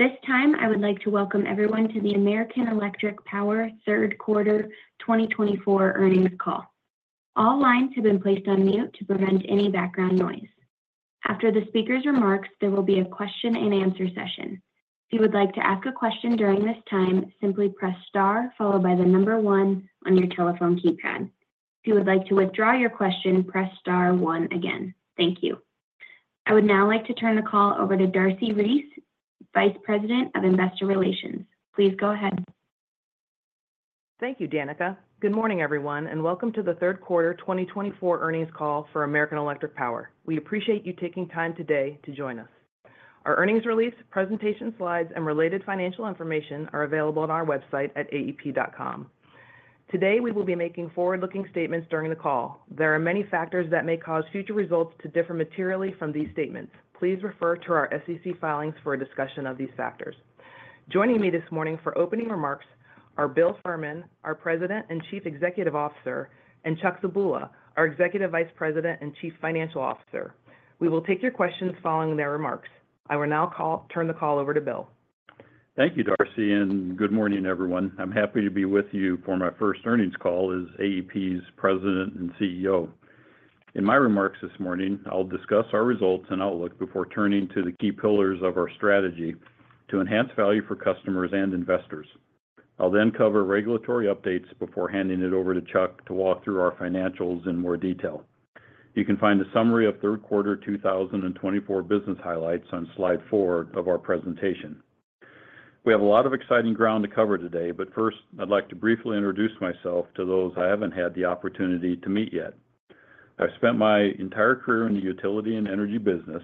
This time, I would like to welcome everyone to the American Electric Power third quarter 2024 earnings call. All lines have been placed on mute to prevent any background noise. After the speaker's remarks, there will be a question-and-answer session. If you would like to ask a question during this time, simply press star followed by the number one on your telephone keypad. If you would like to withdraw your question, press star one again. Thank you. I would now like to turn the call over to Darcy Reese, Vice President of Investor Relations. Please go ahead. Thank you, Danica. Good morning, everyone, and welcome to the third quarter 2024 earnings call for American Electric Power. We appreciate you taking the time today to join us. Our earnings release, presentation slides, and related financial information are available on our website at aep.com. Today, we will be making forward-looking statements during the call. There are many factors that may cause future results to differ materially from these statements. Please refer to our SEC filings for a discussion of these factors. Joining me this morning for opening remarks are Bill Fehrman, our President and Chief Executive Officer, and Chuck Zebula, our Executive Vice President and Chief Financial Officer. We will take your questions following their remarks. I will now turn the call over to Bill. Thank you, Darcy, and good morning, everyone. I'm happy to be with you for my first earnings call as AEP's President and CEO. In my remarks this morning, I'll discuss our results and outlook before turning to the key pillars of our strategy to enhance value for customers and investors. I'll then cover regulatory updates before handing it over to Chuck to walk through our financials in more detail. You can find a summary of third quarter 2024 business highlights on slide four of our presentation. We have a lot of exciting ground to cover today, but first, I'd like to briefly introduce myself to those I haven't had the opportunity to meet yet. I've spent my entire career in the utility and energy business.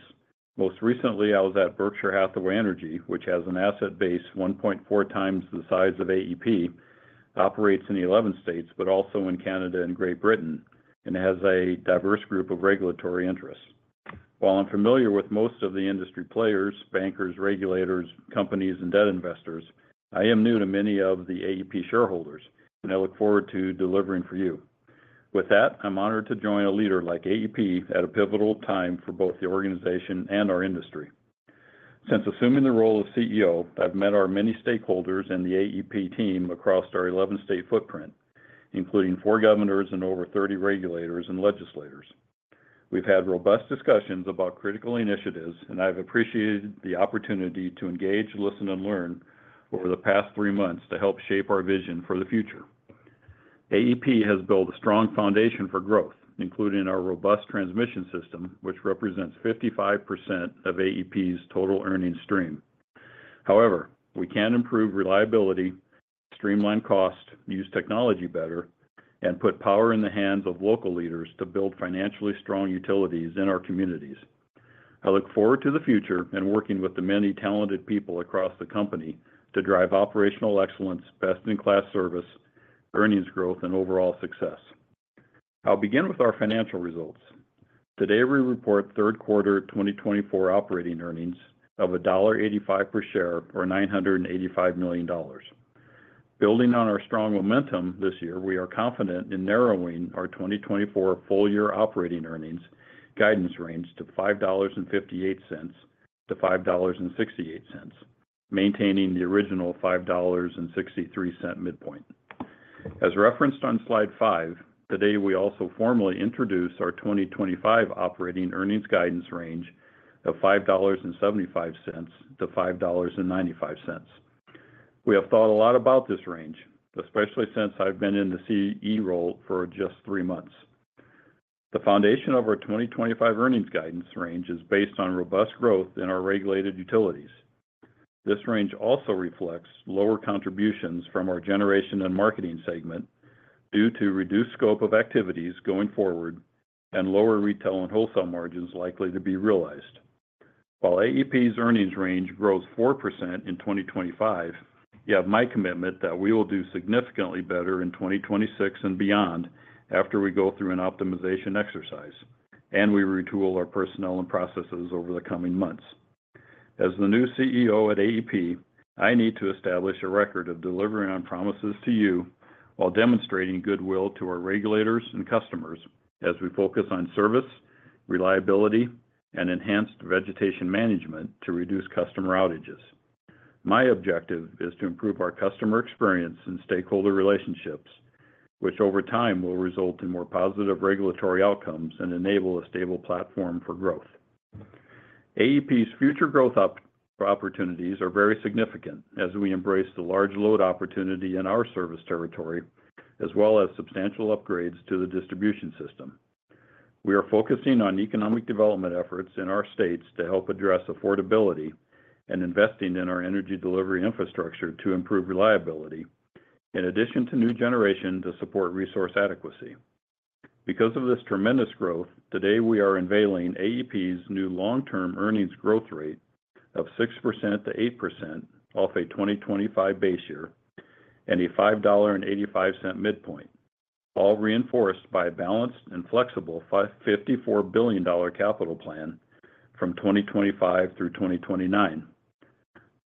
Most recently, I was at Berkshire Hathaway Energy, which has an asset base 1.4x the size of AEP, operates in 11 states, but also in Canada and Great Britain, and has a diverse group of regulatory interests. While I'm familiar with most of the industry players, bankers, regulators, companies, and debt investors, I am new to many of the AEP shareholders, and I look forward to delivering for you. With that, I'm honored to join a leader like AEP at a pivotal time for both the organization and our industry. Since assuming the role of CEO, I've met our many stakeholders and the AEP team across our 11-state footprint, including four governors and over 30 regulators and legislators. We've had robust discussions about critical initiatives, and I've appreciated the opportunity to engage, listen, and learn over the past three months to help shape our vision for the future. AEP has built a strong foundation for growth, including our robust transmission system, which represents 55% of AEP's total earnings stream. However, we can improve reliability, streamline costs, use technology better, and put power in the hands of local leaders to build financially strong utilities in our communities. I look forward to the future and working with the many talented people across the company to drive operational excellence, best-in-class service, earnings growth, and overall success. I'll begin with our financial results. Today, we report Third Quarter 2024 operating earnings of $1.85 per share, or $985 million. Building on our strong momentum this year, we are confident in narrowing our 2024 full-year operating earnings guidance range to $5.58-$5.68, maintaining the original $5.63 midpoint. As referenced on slide five, today we also formally introduced our 2025 operating earnings guidance range of $5.75-$5.95. We have thought a lot about this range, especially since I've been in the CEO role for just three months. The foundation of our 2025 earnings guidance range is based on robust growth in our regulated utilities. This range also reflects lower contributions from our generation and marketing segment due to reduced scope of activities going forward and lower retail and wholesale margins likely to be realized. While AEP's earnings range grows 4% in 2025, you have my commitment that we will do significantly better in 2026 and beyond after we go through an optimization exercise and we retool our personnel and processes over the coming months. As the new CEO at AEP, I need to establish a record of delivering on promises to you while demonstrating goodwill to our regulators and customers as we focus on service, reliability, and enhanced vegetation management to reduce customer outages. My objective is to improve our customer experience and stakeholder relationships, which over time will result in more positive regulatory outcomes and enable a stable platform for growth. AEP's future growth opportunities are very significant as we embrace the large load opportunity in our service territory, as well as substantial upgrades to the distribution system. We are focusing on economic development efforts in our states to help address affordability and investing in our energy delivery infrastructure to improve reliability, in addition to new generation to support resource adequacy. Because of this tremendous growth, today we are unveiling AEP's new long-term earnings growth rate of 6% to 8% off a 2025 base year and a $5.85 midpoint, all reinforced by a balanced and flexible $54 billion capital plan from 2025 through 2029.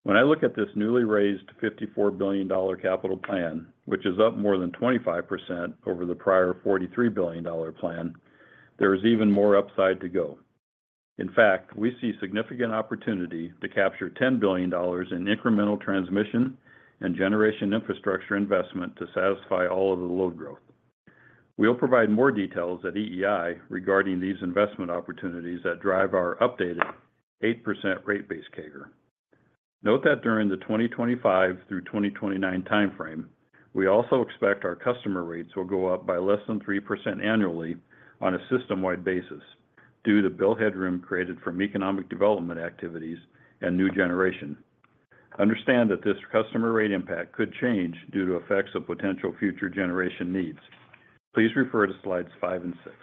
When I look at this newly raised $54 billion capital plan, which is up more than 25% over the prior $43 billion plan, there is even more upside to go. In fact, we see significant opportunity to capture $10 billion in incremental transmission and generation infrastructure investment to satisfy all of the load growth. We'll provide more details at EEI regarding these investment opportunities that drive our updated 8% rate base CAGR. Note that during the 2025 through 2029 timeframe, we also expect our customer rates will go up by less than 3% annually on a system-wide basis due to bill headroom created from economic development activities and new generation. Understand that this customer rate impact could change due to effects of potential future generation needs. Please refer to slides five and six.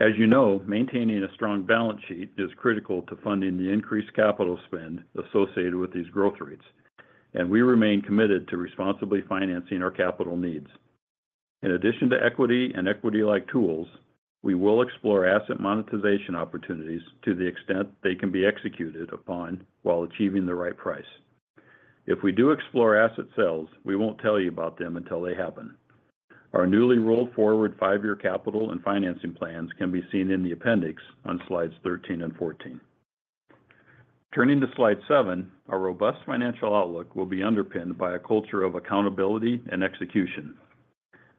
As you know, maintaining a strong balance sheet is critical to funding the increased capital spend associated with these growth rates, and we remain committed to responsibly financing our capital needs. In addition to equity and equity-like tools, we will explore asset monetization opportunities to the extent they can be executed upon while achieving the right price. If we do explore asset sales, we won't tell you about them until they happen. Our newly rolled forward five-year capital and financing plans can be seen in the appendix on slides 13 and 14. Turning to slide seven, our robust financial outlook will be underpinned by a culture of accountability and execution.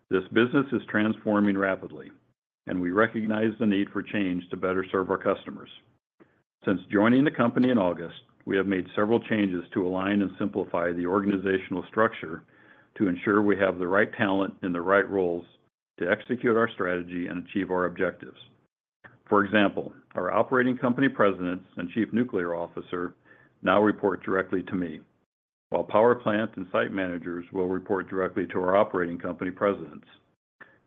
This business is transforming rapidly, and we recognize the need for change to better serve our customers. Since joining the company in August, we have made several changes to align and simplify the organizational structure to ensure we have the right talent in the right roles to execute our strategy and achieve our objectives. For example, our operating company presidents and Chief Nuclear Officer now report directly to me, while power plant and site managers will report directly to our operating company presidents.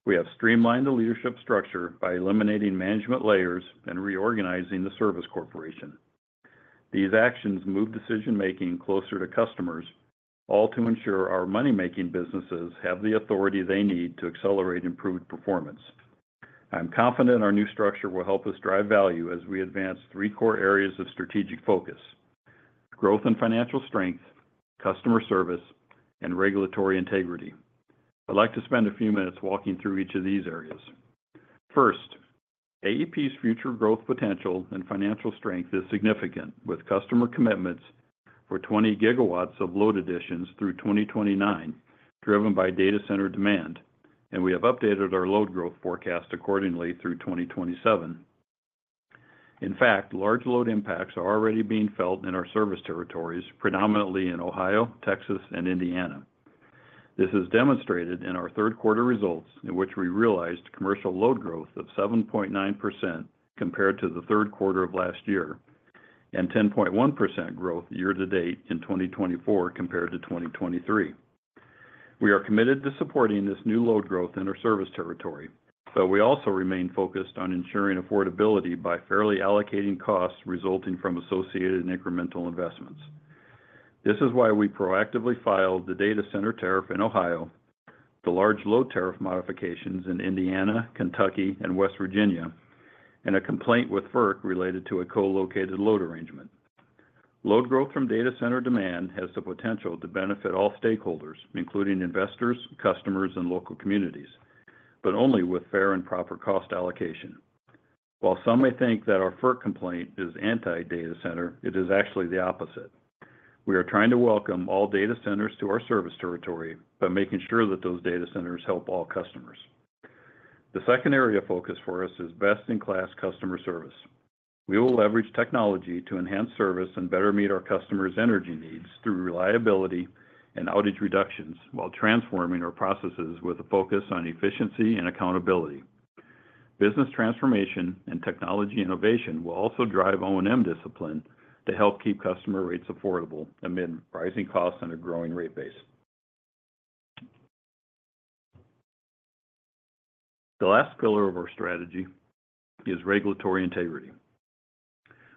We have streamlined the leadership structure by eliminating management layers and reorganizing the service corporation. These actions move decision-making closer to customers, all to ensure our money-making businesses have the authority they need to accelerate improved performance. I'm confident our new structure will help us drive value as we advance three core areas of strategic focus: growth and financial strength, customer service, and regulatory integrity. I'd like to spend a few minutes walking through each of these areas. First, AEP's future growth potential and financial strength is significant, with customer commitments for 20 GW of load additions through 2029 driven by data center demand, and we have updated our load growth forecast accordingly through 2027. In fact, large load impacts are already being felt in our service territories, predominantly in Ohio, Texas, and Indiana. This is demonstrated in our third-quarter results, in which we realized commercial load growth of 7.9% compared to the third quarter of last year and 10.1% growth year-to-date in 2024 compared to 2023. We are committed to supporting this new load growth in our service territory, but we also remain focused on ensuring affordability by fairly allocating costs resulting from associated incremental investments. This is why we proactively filed the data center tariff in Ohio, the large load tariff modifications in Indiana, Kentucky, and West Virginia, and a complaint with FERC related to a co-located load arrangement. Load growth from data center demand has the potential to benefit all stakeholders, including investors, customers, and local communities, but only with fair and proper cost allocation. While some may think that our FERC complaint is anti-data center, it is actually the opposite. We are trying to welcome all data centers to our service territory by making sure that those data centers help all customers. The second area of focus for us is best-in-class customer service. We will leverage technology to enhance service and better meet our customers' energy needs through reliability and outage reductions while transforming our processes with a focus on efficiency and accountability. Business transformation and technology innovation will also drive O&M discipline to help keep customer rates affordable amid rising costs and a growing rate base. The last pillar of our strategy is regulatory integrity.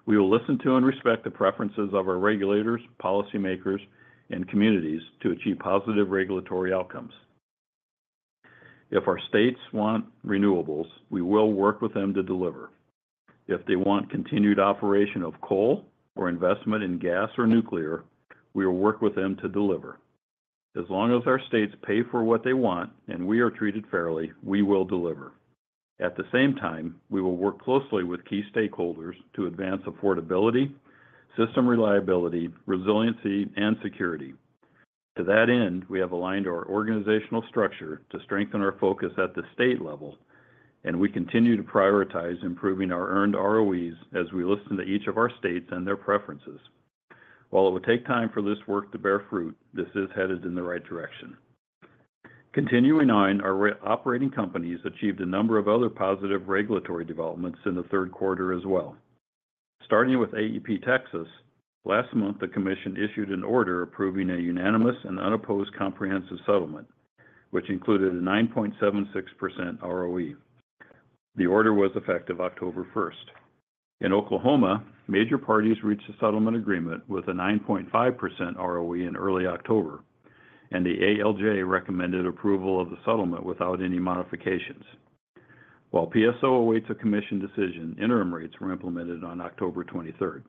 We will listen to and respect the preferences of our regulators, policymakers, and communities to achieve positive regulatory outcomes. If our states want renewables, we will work with them to deliver. If they want continued operation of coal or investment in gas or nuclear, we will work with them to deliver. As long as our states pay for what they want and we are treated fairly, we will deliver. At the same time, we will work closely with key stakeholders to advance affordability, system reliability, resiliency, and security. To that end, we have aligned our organizational structure to strengthen our focus at the state level, and we continue to prioritize improving our earned ROEs as we listen to each of our states and their preferences. While it will take time for this work to bear fruit, this is headed in the right direction. Continuing on, our operating companies achieved a number of other positive regulatory developments in the third quarter as well. Starting with AEP Texas, last month, the commission issued an order approving a unanimous and unopposed comprehensive settlement, which included a 9.76% ROE. The order was effective October 1st. In Oklahoma, major parties reached a settlement agreement with a 9.5% ROE in early October, and the ALJ recommended approval of the settlement without any modifications. While PSO awaits a commission decision, interim rates were implemented on October 23rd.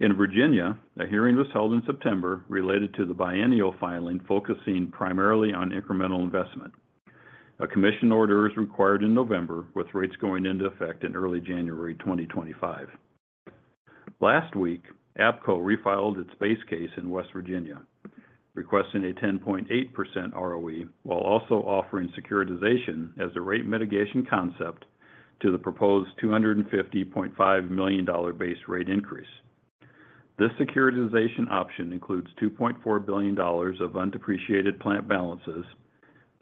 In Virginia, a hearing was held in September related to the biennial filing focusing primarily on incremental investment. A commission order is required in November, with rates going into effect in early January 2025. Last week, APCo refiled its base case in West Virginia, requesting a 10.8% ROE while also offering securitization as a rate mitigation concept to the proposed $250.5 million base rate increase. This securitization option includes $2.4 billion of undepreciated plant balances,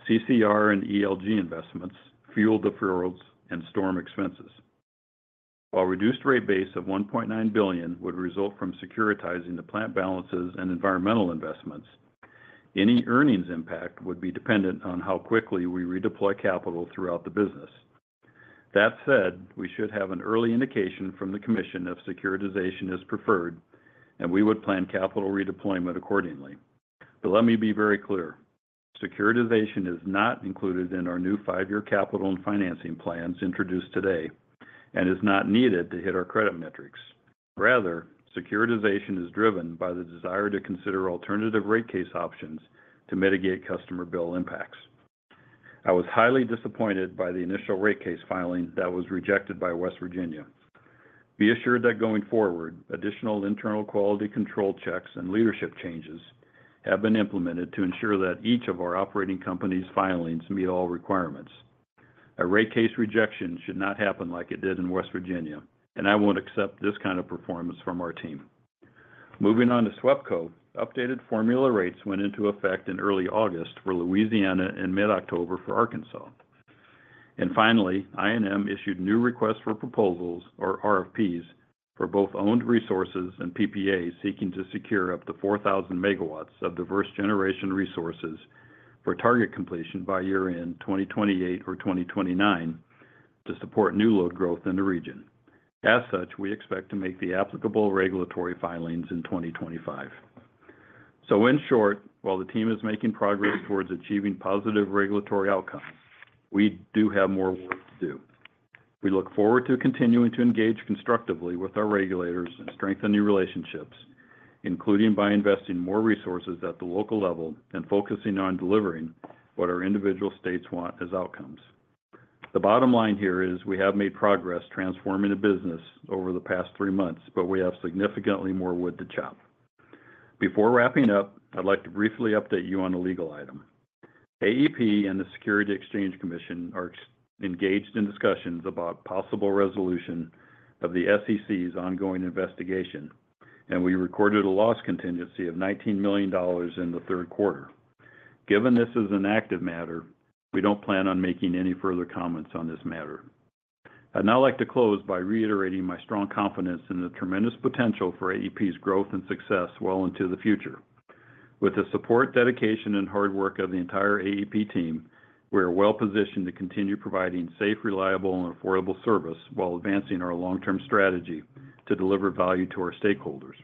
CCR and ELG investments, fuel deferrals, and storm expenses. While a reduced rate base of $1.9 billion would result from securitizing the plant balances and environmental investments, any earnings impact would be dependent on how quickly we redeploy capital throughout the business. That said, we should have an early indication from the commission if securitization is preferred, and we would plan capital redeployment accordingly. But let me be very clear: securitization is not included in our new five-year capital and financing plans introduced today and is not needed to hit our credit metrics. Rather, securitization is driven by the desire to consider alternative rate case options to mitigate customer bill impacts. I was highly disappointed by the initial rate case filing that was rejected by West Virginia. Be assured that going forward, additional internal quality control checks and leadership changes have been implemented to ensure that each of our operating companies' filings meet all requirements. A rate case rejection should not happen like it did in West Virginia, and I won't accept this kind of performance from our team. Moving on to SWEPCO, updated formula rates went into effect in early August for Louisiana and mid-October for Arkansas. And finally, I&M issued new requests for proposals, or RFPs, for both owned resources and PPAs seeking to secure up to 4,000 megawatts of diverse generation resources for target completion by year-end 2028 or 2029 to support new load growth in the region. As such, we expect to make the applicable regulatory filings in 2025. So in short, while the team is making progress towards achieving positive regulatory outcomes, we do have more work to do. We look forward to continuing to engage constructively with our regulators and strengthen new relationships, including by investing more resources at the local level and focusing on delivering what our individual states want as outcomes. The bottom line here is we have made progress transforming the business over the past three months, but we have significantly more wood to chop. Before wrapping up, I'd like to briefly update you on a legal item. AEP and the Securities and Exchange Commission are engaged in discussions about possible resolution of the SEC's ongoing investigation, and we recorded a loss contingency of $19 million in the third quarter. Given this is an active matter, we don't plan on making any further comments on this matter. I'd now like to close by reiterating my strong confidence in the tremendous potential for AEP's growth and success well into the future. With the support, dedication, and hard work of the entire AEP team, we are well-positioned to continue providing safe, reliable, and affordable service while advancing our long-term strategy to deliver value to our stakeholders.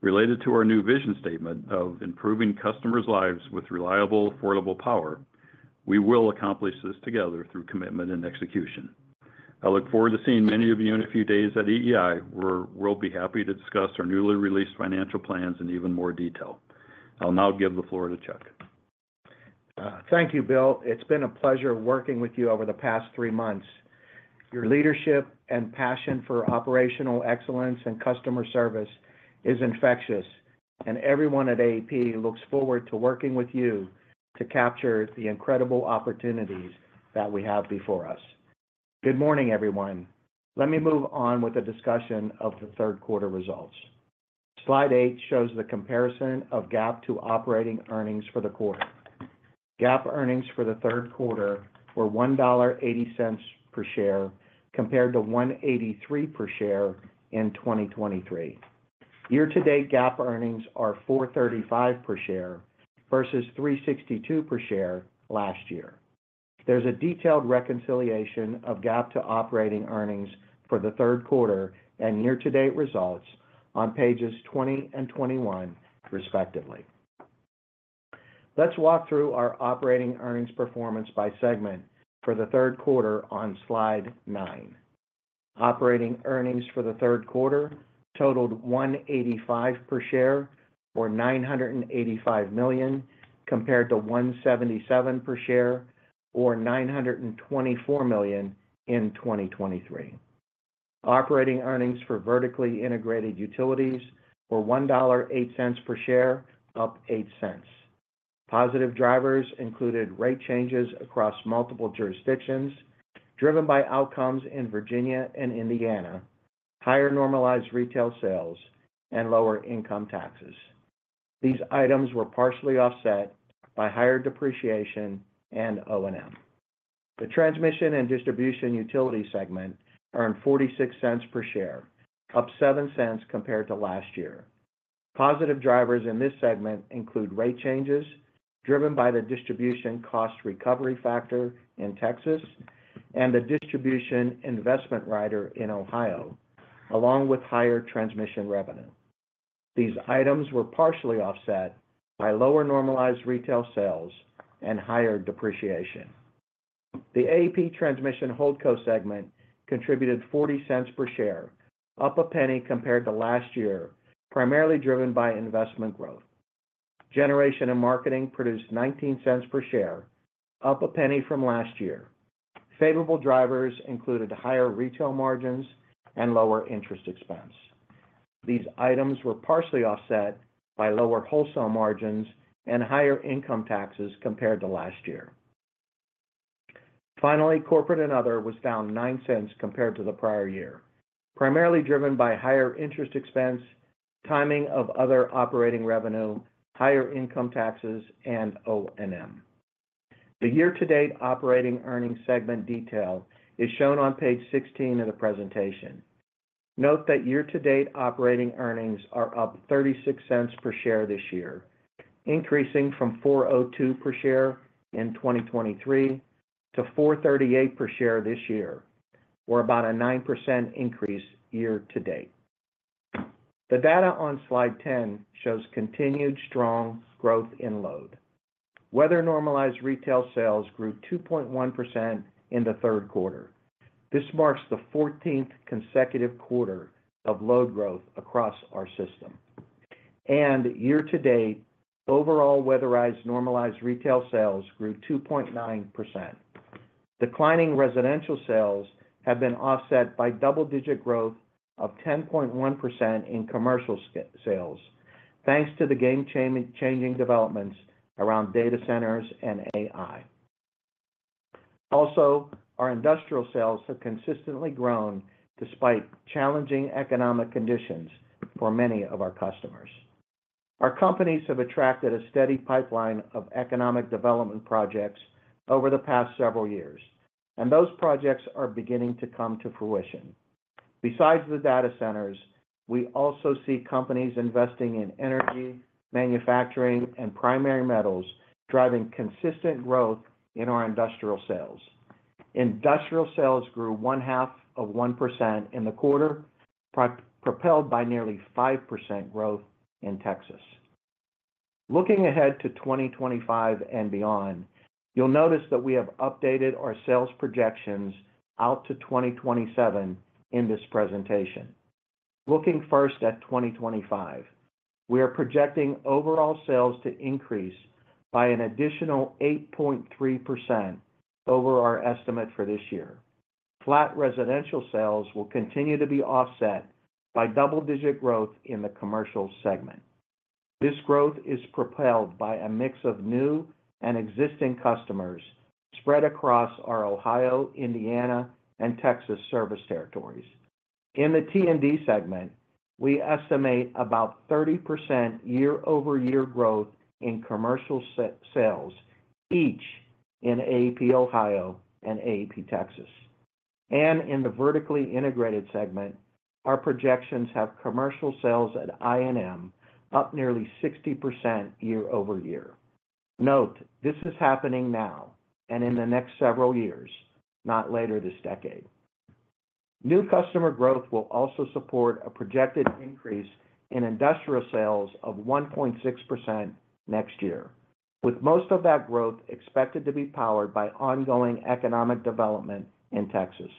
Related to our new vision statement of improving customers' lives with reliable, affordable power, we will accomplish this together through commitment and execution. I look forward to seeing many of you in a few days at EEI, where we'll be happy to discuss our newly released financial plans in even more detail. I'll now give the floor to Chuck. Thank you, Bill. It's been a pleasure working with you over the past three months. Your leadership and passion for operational excellence and customer service is infectious, and everyone at AEP looks forward to working with you to capture the incredible opportunities that we have before us. Good morning, everyone. Let me move on with the discussion of the third-quarter results. Slide eight shows the comparison of GAAP to operating earnings for the quarter. GAAP earnings for the third quarter were $1.80 per share compared to $1.83 per share in 2023. Year-to-date GAAP earnings are $4.35 per share versus $3.62 per share last year. There's a detailed reconciliation of GAAP to operating earnings for the third quarter and year-to-date results on pages 20 and 21, respectively. Let's walk through our operating earnings performance by segment for the third quarter on slide nine. Operating earnings for the third quarter totaled $1.85 per share or $985 million compared to $1.77 per share or $924 million in 2023. Operating earnings for vertically integrated utilities were $1.08 per share, up 8 cents. Positive drivers included rate changes across multiple jurisdictions driven by outcomes in Virginia and Indiana, higher normalized retail sales, and lower income taxes. These items were partially offset by higher depreciation and O&M. The transmission and distribution utility segment earned $0.46 per share, up 7 cents compared to last year. Positive drivers in this segment include rate changes driven by the Distribution Cost Recovery Factor in Texas and the Distribution Investment Rider in Ohio, along with higher transmission revenue. These items were partially offset by lower normalized retail sales and higher depreciation. The AEP Transmission Holdco segment contributed $0.40 per share, up a penny compared to last year, primarily driven by investment growth. Generation and marketing produced $0.19 per share, up a penny from last year. Favorable drivers included higher retail margins and lower interest expense. These items were partially offset by lower wholesale margins and higher income taxes compared to last year. Finally, corporate and other was down nine cents compared to the prior year, primarily driven by higher interest expense, timing of other operating revenue, higher income taxes, and O&M. The year-to-date operating earnings segment detail is shown on page 16 of the presentation. Note that year-to-date operating earnings are up $0.36 per share this year, increasing from $4.02 per share in 2023 to $4.38 per share this year, or about a 9% increase year-to-date. The data on slide 10 shows continued strong growth in load. Weather-normalized retail sales grew 2.1% in the third quarter. This marks the 14th consecutive quarter of load growth across our system, and year-to-date, overall weather-normalized retail sales grew 2.9%. Declining residential sales have been offset by double-digit growth of 10.1% in commercial sales, thanks to the game-changing developments around data centers and AI. Also, our industrial sales have consistently grown despite challenging economic conditions for many of our customers. Our companies have attracted a steady pipeline of economic development projects over the past several years, and those projects are beginning to come to fruition. Besides the data centers, we also see companies investing in energy, manufacturing, and primary metals driving consistent growth in our industrial sales. Industrial sales grew 0.5% in the quarter, propelled by nearly 5% growth in Texas. Looking ahead to 2025 and beyond, you'll notice that we have updated our sales projections out to 2027 in this presentation. Looking first at 2025, we are projecting overall sales to increase by an additional 8.3% over our estimate for this year. Flat residential sales will continue to be offset by double-digit growth in the commercial segment. This growth is propelled by a mix of new and existing customers spread across our Ohio, Indiana, and Texas service territories. In the T&D segment, we estimate about 30% year-over-year growth in commercial sales each in AEP Ohio and AEP Texas. In the vertically integrated segment, our projections have commercial sales at I&M up nearly 60% year-over-year. Note, this is happening now and in the next several years, not later this decade. New customer growth will also support a projected increase in industrial sales of 1.6% next year, with most of that growth expected to be powered by ongoing economic development in Texas.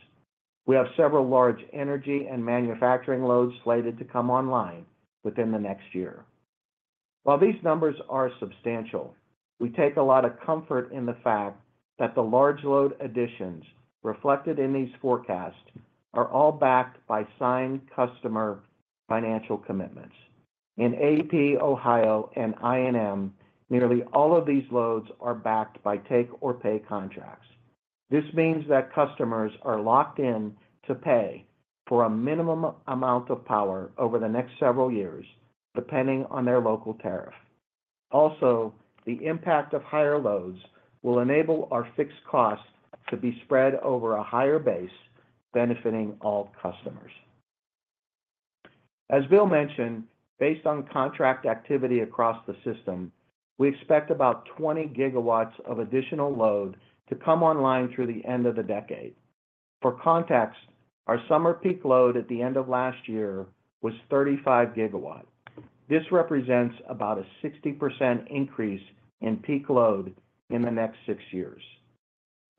We have several large energy and manufacturing loads slated to come online within the next year. While these numbers are substantial, we take a lot of comfort in the fact that the large load additions reflected in these forecasts are all backed by signed customer financial commitments. In AEP Ohio and I&M, nearly all of these loads are backed by take-or-pay contracts. This means that customers are locked in-to-pay for a minimum amount of power over the next several years, depending on their local tariff. Also, the impact of higher loads will enable our fixed costs to be spread over a higher base, benefiting all customers. As Bill mentioned, based on contract activity across the system, we expect about 20 GW of additional load to come online through the end of the decade. For context, our summer peak load at the end of last year was 35 GW. This represents about a 60% increase in peak load in the next six years.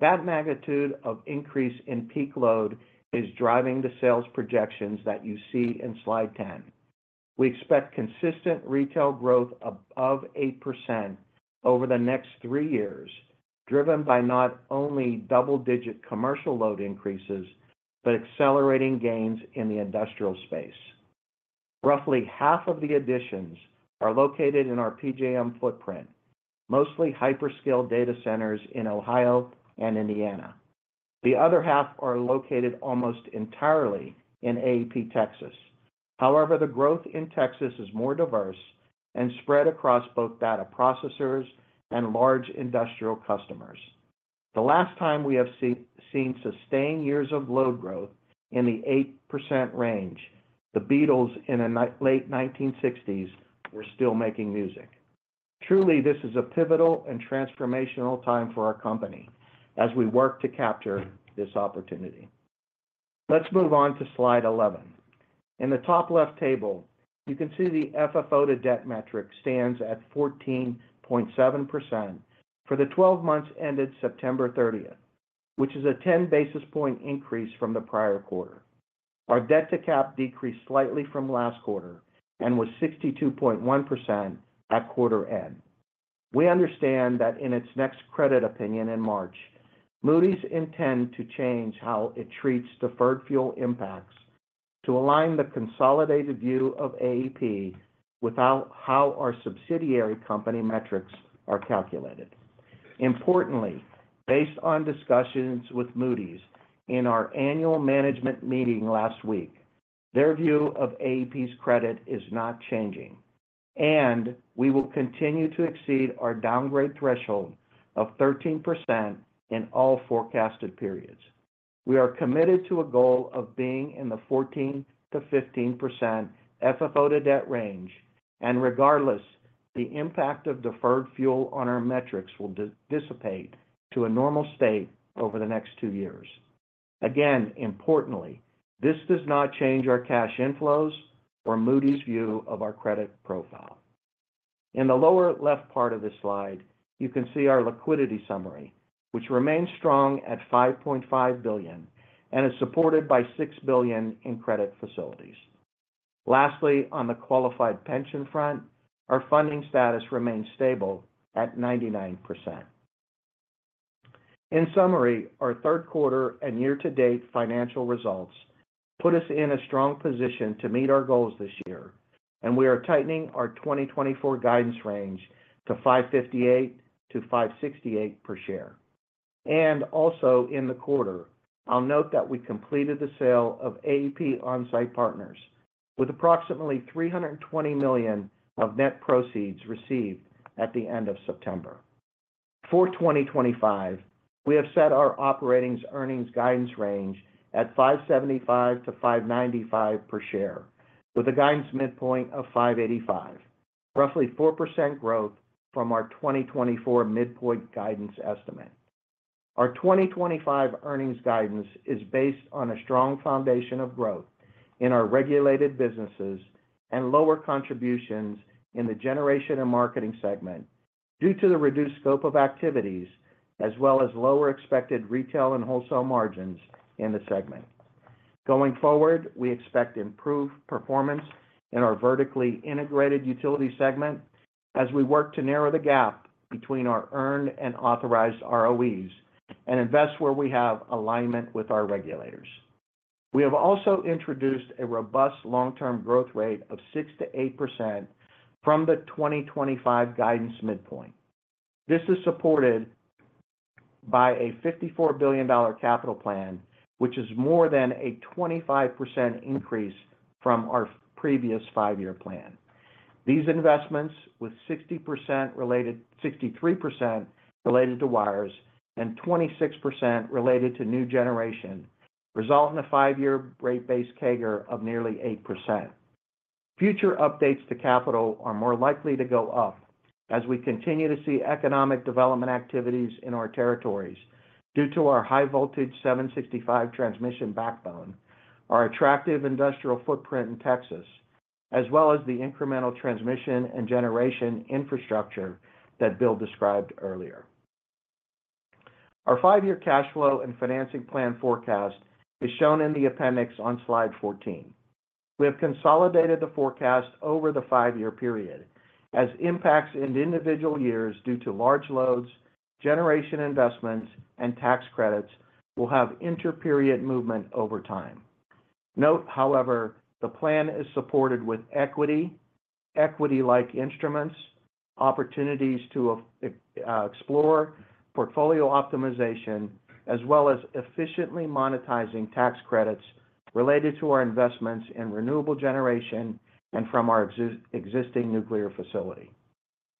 That magnitude of increase in peak load is driving the sales projections that you see in slide 10. We expect consistent retail growth above 8% over the next three years, driven by not only double-digit commercial load increases but accelerating gains in the industrial space. Roughly half of the additions are located in our PJM footprint, mostly hyperscale data centers in Ohio and Indiana. The other half are located almost entirely in AEP Texas. However, the growth in Texas is more diverse and spread across both data processors and large industrial customers. The last time we have seen sustained years of load growth in the 8% range, the Beatles in the late 1960s were still making music. Truly, this is a pivotal and transformational time for our company as we work to capture this opportunity. Let's move on to slide 11. In the top-left table, you can see the FFO-to-debt metric stands at 14.7% for the 12 months ended September 30th, which is a 10 basis points increase from the prior quarter. Our debt-to-cap decreased slightly from last quarter and was 62.1% at quarter end. We understand that in its next credit opinion in March, Moody's intends to change how it treats deferred fuel impacts to align the consolidated view of AEP with how our subsidiary company metrics are calculated. Importantly, based on discussions with Moody's in our annual management meeting last week, their view of AEP's credit is not changing, and we will continue to exceed our downgrade threshold of 13% in all forecasted periods. We are committed to a goal of being in the 14%-15% FFO-to-debt range, and regardless, the impact of deferred fuel on our metrics will dissipate to a normal state over the next two years. Again, importantly, this does not change our cash inflows or Moody's view of our credit profile. In the lower left part of this slide, you can see our liquidity summary, which remains strong at $5.5 billion and is supported by $6 billion in credit facilities. Lastly, on the qualified pension front, our funding status remains stable at 99%. In summary, our third quarter and year-to-date financial results put us in a strong position to meet our goals this year, and we are tightening our 2024 guidance range to $558-$568 per share. And also, in the quarter, I'll note that we completed the sale of AEP OnSite Partners with approximately $320 million of net proceeds received at the end of September. For 2025, we have set our operating earnings guidance range at $575-$595 per share, with a guidance midpoint of $585, roughly 4% growth from our 2024 midpoint guidance estimate. Our 2025 earnings guidance is based on a strong foundation of growth in our regulated businesses and lower contributions in the generation and marketing segment due to the reduced scope of activities, as well as lower expected retail and wholesale margins in the segment. Going forward, we expect improved performance in our vertically integrated utility segment as we work to narrow the gap between our earned and authorized ROEs and invest where we have alignment with our regulators. We have also introduced a robust long-term growth rate of 6%-8% from the 2025 guidance midpoint. This is supported by a $54 billion capital plan, which is more than a 25% increase from our previous five-year plan. These investments, with 63% related to wires and 26% related to new generation, result in a five-year rate base CAGR of nearly 8%. Future updates to capital are more likely to go up as we continue to see economic development activities in our territories due to our high-voltage 765 kV transmission backbone, our attractive industrial footprint in Texas, as well as the incremental transmission and generation infrastructure that Bill described earlier. Our five-year cash flow and financing plan forecast is shown in the appendix on slide 14. We have consolidated the forecast over the five-year period, as impacts in individual years due to large loads, generation investments, and tax credits will have inter-period movement over time. Note, however, the plan is supported with equity, equity-like instruments, opportunities to explore, portfolio optimization, as well as efficiently monetizing tax credits related to our investments in renewable generation and from our existing nuclear facility.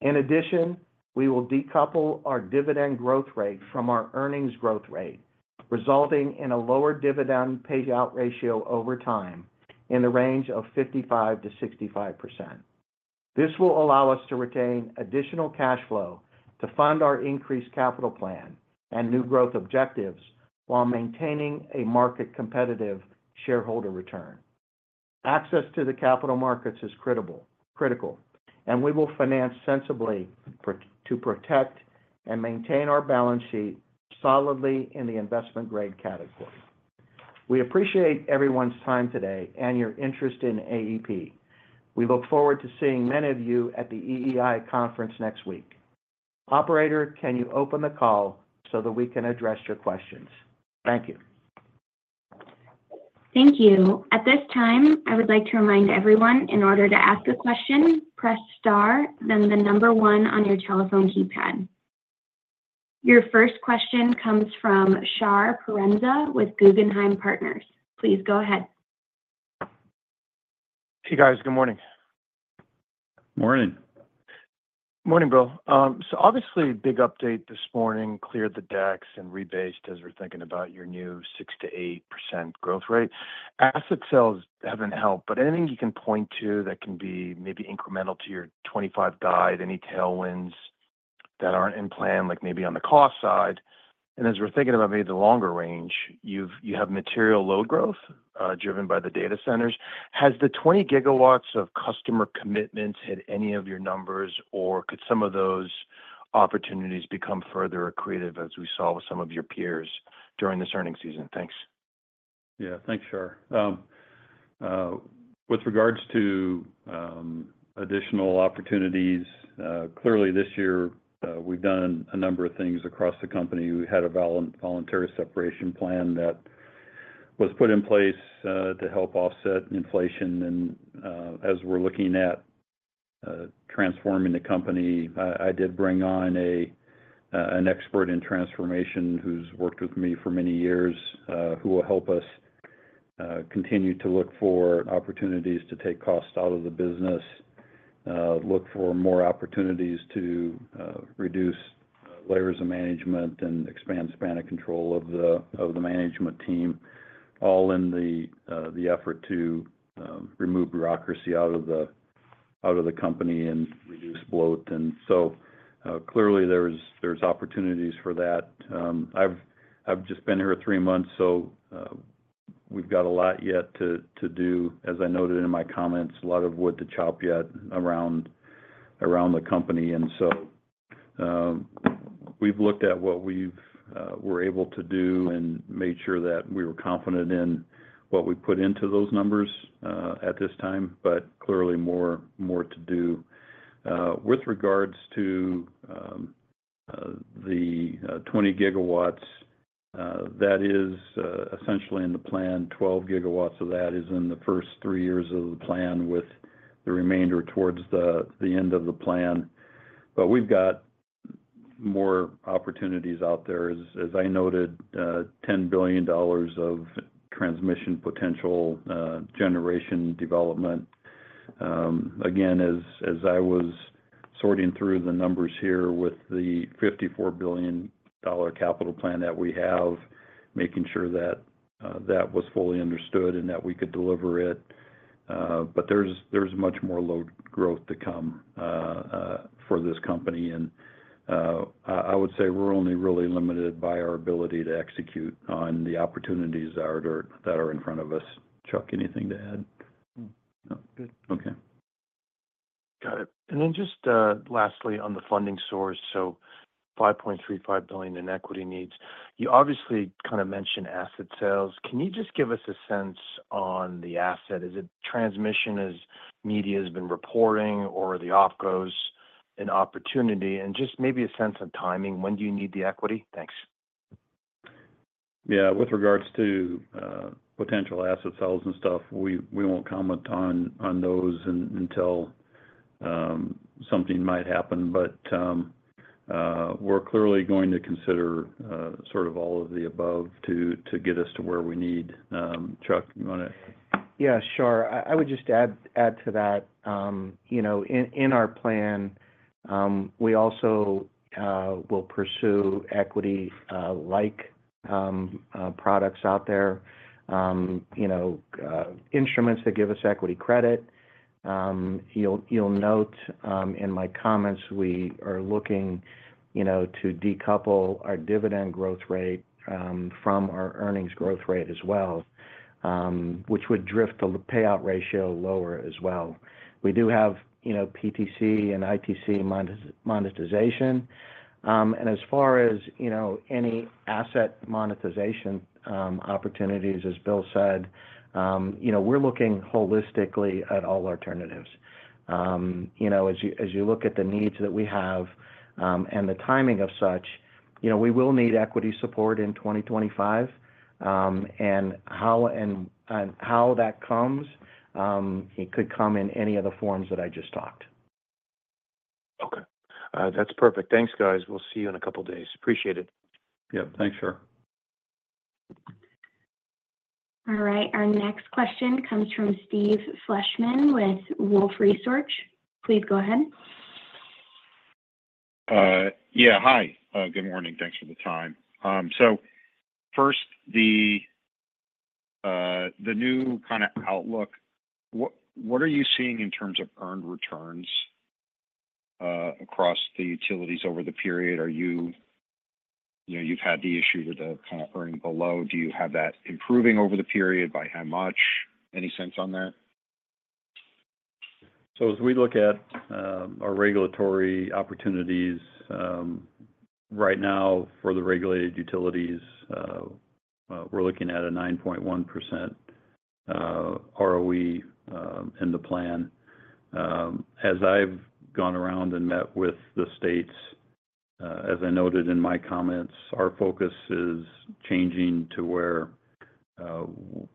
In addition, we will decouple our dividend growth rate from our earnings growth rate, resulting in a lower dividend payout ratio over time in the range of 55%-65%. This will allow us to retain additional cash flow to fund our increased capital plan and new growth objectives while maintaining a market-competitive shareholder return. Access to the capital markets is critical, and we will finance sensibly to protect and maintain our balance sheet solidly in the investment-grade category. We appreciate everyone's time today and your interest in AEP. We look forward to seeing many of you at the EEI conference next week. Operator, can you open the call so that we can address your questions? Thank you. Thank you. At this time, I would like to remind everyone, in order to ask a question, press star, then the number one on your telephone keypad. Your first question comes from Shar Pourreza with Guggenheim Partners. Please go ahead. Hey, guys. Good morning.. Morning. Morning, Bill. So obviously, big update this morning, cleared the decks and rebased as we're thinking about your new 6%-8% growth rate. Asset sales haven't helped, but anything you can point to that can be maybe incremental to your 2025 guide, any tailwinds that aren't in plan, like maybe on the cost side? And as we're thinking about maybe the longer range, you have material load growth driven by the data centers. Has the 20 GW of customer commitments hit any of your numbers, or could some of those opportunities become further creative as we saw with some of your peers during this earnings season? Thanks. Yeah. Thanks, Shar. With regards to additional opportunities, clearly, this year, we've done a number of things across the company. We had a voluntary separation plan that was put in place to help offset inflation, and as we're looking at transforming the company, I did bring on an expert in transformation who's worked with me for many years, who will help us continue to look for opportunities to take costs out of the business, look for more opportunities to reduce layers of management, and expand span of control of the management team, all in the effort to remove bureaucracy out of the company and reduce bloat, and so clearly, there's opportunities for that. I've just been here three months, so we've got a lot yet to do. As I noted in my comments, a lot of wood to chop yet around the company. And so we've looked at what we were able to do and made sure that we were confident in what we put into those numbers at this time, but clearly more to do. With regards to the 20 GW, that is essentially in the plan. 12 GW of that is in the first three years of the plan, with the remainder towards the end of the plan. But we've got more opportunities out there. As I noted, $10 billion of transmission potential generation development. Again, as I was sorting through the numbers here with the $54 billion capital plan that we have, making sure that that was fully understood and that we could deliver it. But there's much more load growth to come for this company. And I would say we're only really limited by our ability to execute on the opportunities that are in front of us. Chuck, anything to add? No. Good. Okay. Got it. And then just lastly, on the funding source, so $5.35 billion in equity needs. You obviously kind of mentioned asset sales. Can you just give us a sense on the asset? Is it transmission as media has been reporting, or are the OpCos an opportunity? And just maybe a sense of timing. When do you need the equity? Thanks. Yeah. With regards to potential asset sales and stuff, we won't comment on those until something might happen. But we're clearly going to consider sort of all of the above to get us to where we need. Chuck, you want to? Yeah. Sure. I would just add to that. In our plan, we also will pursue equity-like products out there, instruments that give us equity credit. You'll note in my comments we are looking to decouple our dividend growth rate from our earnings growth rate as well, which would drift the payout ratio lower as well. We do have PTC and ITC monetization. And as far as any asset monetization opportunities, as Bill said, we're looking holistically at all alternatives. As you look at the needs that we have and the timing of such, we will need equity support in 2025. And how that comes, it could come in any of the forms that I just talked. Okay. That's perfect. Thanks, guys. We'll see you in a couple of days. Appreciate it. Yep. Thanks, Shar. All right. Our next question comes from Steve Fleishman with Wolfe Research. Please go ahead. Yeah. Hi. Good morning. Thanks for the time. So first, the new kind of outlook, what are you seeing in terms of earned returns across the utilities over the period? You've had the issue with the kind of earning below. Do you have that improving over the period by how much? Any sense on that? So as we look at our regulatory opportunities, right now, for the regulated utilities, we're looking at a 9.1% ROE in the plan. As I've gone around and met with the states, as I noted in my comments, our focus is changing to where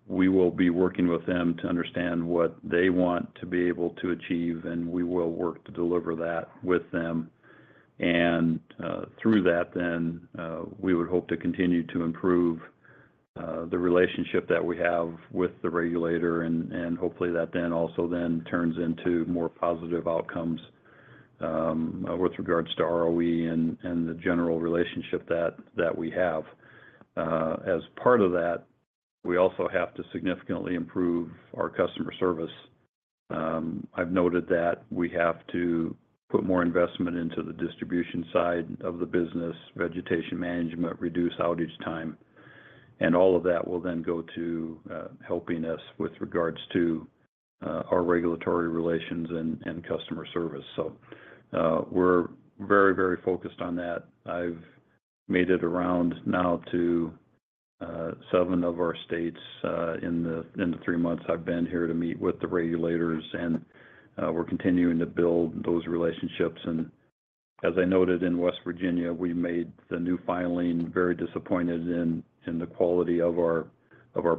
we will be working with them to understand what they want to be able to achieve, and we will work to deliver that with them. Through that, we would hope to continue to improve the relationship that we have with the regulator, and hopefully, that then also then turns into more positive outcomes with regards to ROE and the general relationship that we have. As part of that, we also have to significantly improve our customer service. I've noted that we have to put more investment into the distribution side of the business, vegetation management, reduce outage time, and all of that will then go to helping us with regards to our regulatory relations and customer service. We're very, very focused on that. I've made it around now to seven of our states in the three months I've been here to meet with the regulators, and we're continuing to build those relationships. And as I noted in West Virginia, we made the new filing very disappointed in the quality of our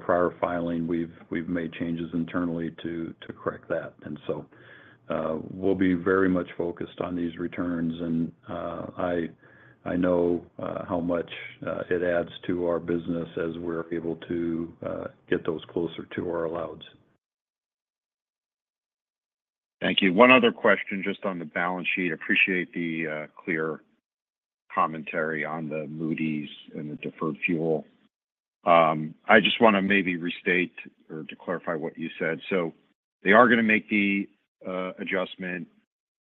prior filing. We've made changes internally to correct that. And so we'll be very much focused on these returns, and I know how much it adds to our business as we're able to get those closer to our allowance. Thank you. One other question just on the balance sheet. Appreciate the clear commentary on the Moody's and the deferred fuel. I just want to maybe restate or to clarify what you said. So they are going to make the adjustment.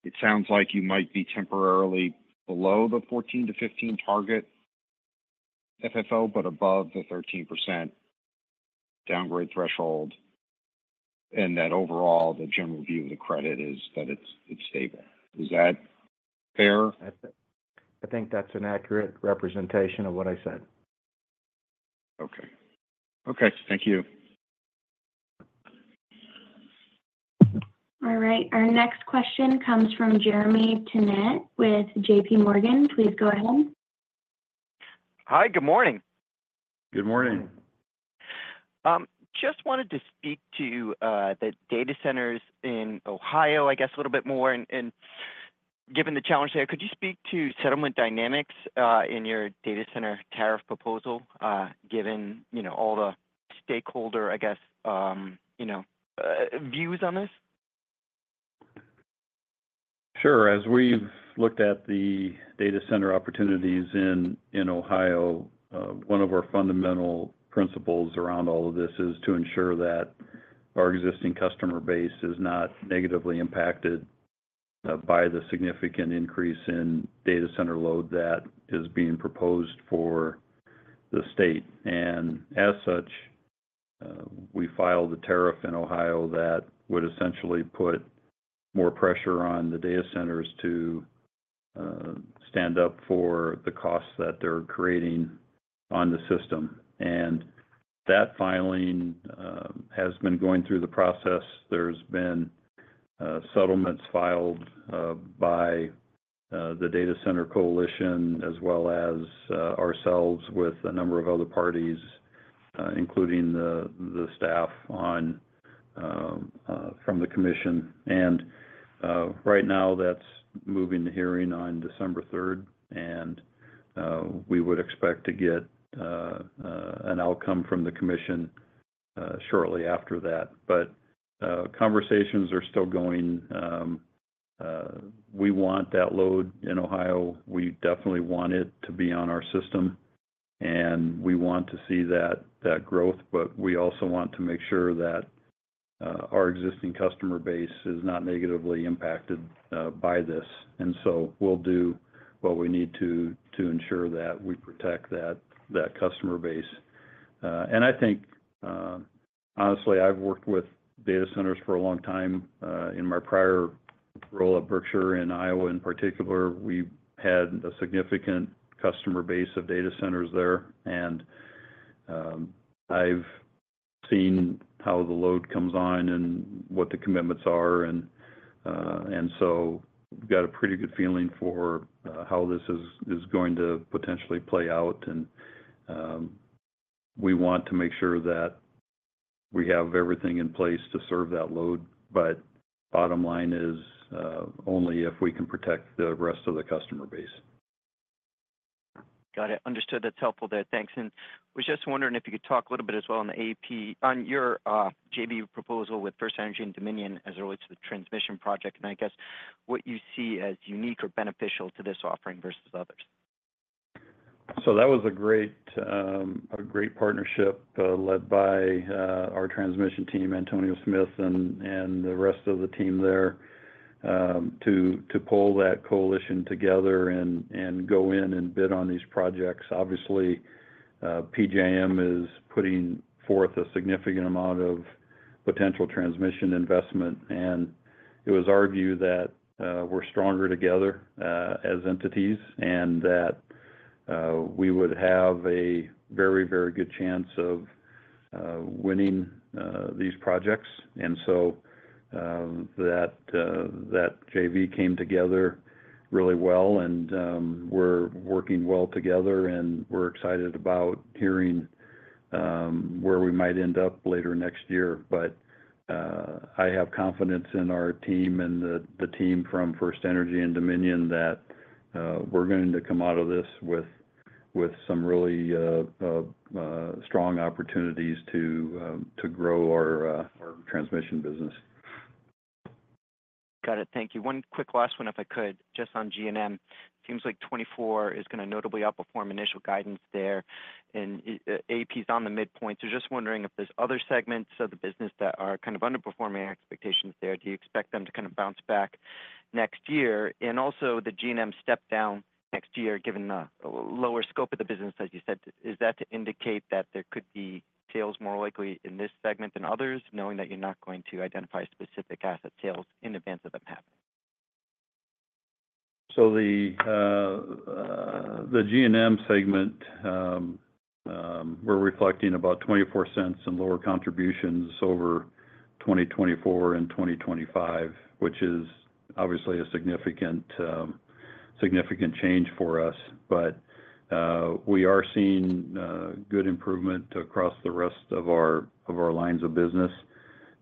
It sounds like you might be temporarily below the 14%-15% target FFO, but above the 13% downgrade threshold, and that overall, the general view of the credit is that it's stable. Is that fair? I think that's an accurate representation of what I said. Okay. Okay. Thank you. All right. Our next question comes from Jeremy Tonet with JPMorgan. Please go ahead. Hi. Good morning. Good morning. Just wanted to speak to the data centers in Ohio, I guess, a little bit more. And given the challenge there, could you speak to settlement dynamics in your data center tariff proposal, given all the stakeholder, I guess, views on this? Sure. As we've looked at the data center opportunities in Ohio, one of our fundamental principles around all of this is to ensure that our existing customer base is not negatively impacted by the significant increase in data center load that is being proposed for the state. And as such, we filed a tariff in Ohio that would essentially put more pressure on the data centers to stand up for the costs that they're creating on the system. And that filing has been going through the process. There's been settlements filed by the data center coalition as well as ourselves with a number of other parties, including the staff from the commission, and right now, that's moving to hearing on December 3rd, and we would expect to get an outcome from the commission shortly after that, but conversations are still going. We want that load in Ohio. We definitely want it to be on our system, and we want to see that growth, but we also want to make sure that our existing customer base is not negatively impacted by this, and so we'll do what we need to ensure that we protect that customer base, and I think, honestly, I've worked with data centers for a long time. In my prior role at Berkshire in Iowa in particular, we had a significant customer base of data centers there, and I've seen how the load comes on and what the commitments are, and so we've got a pretty good feeling for how this is going to potentially play out, and we want to make sure that we have everything in place to serve that load, but bottom line is only if we can protect the rest of the customer base. Got it. Understood. That's helpful there. Thanks, and was just wondering if you could talk a little bit as well on your JV proposal with FirstEnergy and Dominion as it relates to the transmission project, and I guess what you see as unique or beneficial to this offering versus others. So that was a great partnership led by our transmission team, Antonio Smyth, and the rest of the team there to pull that coalition together and go in and bid on these projects. Obviously, PJM is putting forth a significant amount of potential transmission investment, and it was our view that we're stronger together as entities and that we would have a very, very good chance of winning these projects. And so that JV came together really well, and we're working well together, and we're excited about hearing where we might end up later next year. But I have confidence in our team and the team from FirstEnergy and Dominion that we're going to come out of this with some really strong opportunities to grow our transmission business. Got it. Thank you. One quick last one, if I could, just on G&M. It seems like 2024 is going to notably outperform initial guidance there, and AEP's on the midpoint. Just wondering if there's other segments of the business that are kind of underperforming expectations there. Do you expect them to kind of bounce back next year? And also, the G&M step down next year, given the lower scope of the business, as you said, is that to indicate that there could be sales more likely in this segment than others, knowing that you're not going to identify specific asset sales in advance of them happening? The G&M segment, we're reflecting about $0.24 and lower contributions over 2024 and 2025, which is obviously a significant change for us. But we are seeing good improvement across the rest of our lines of business.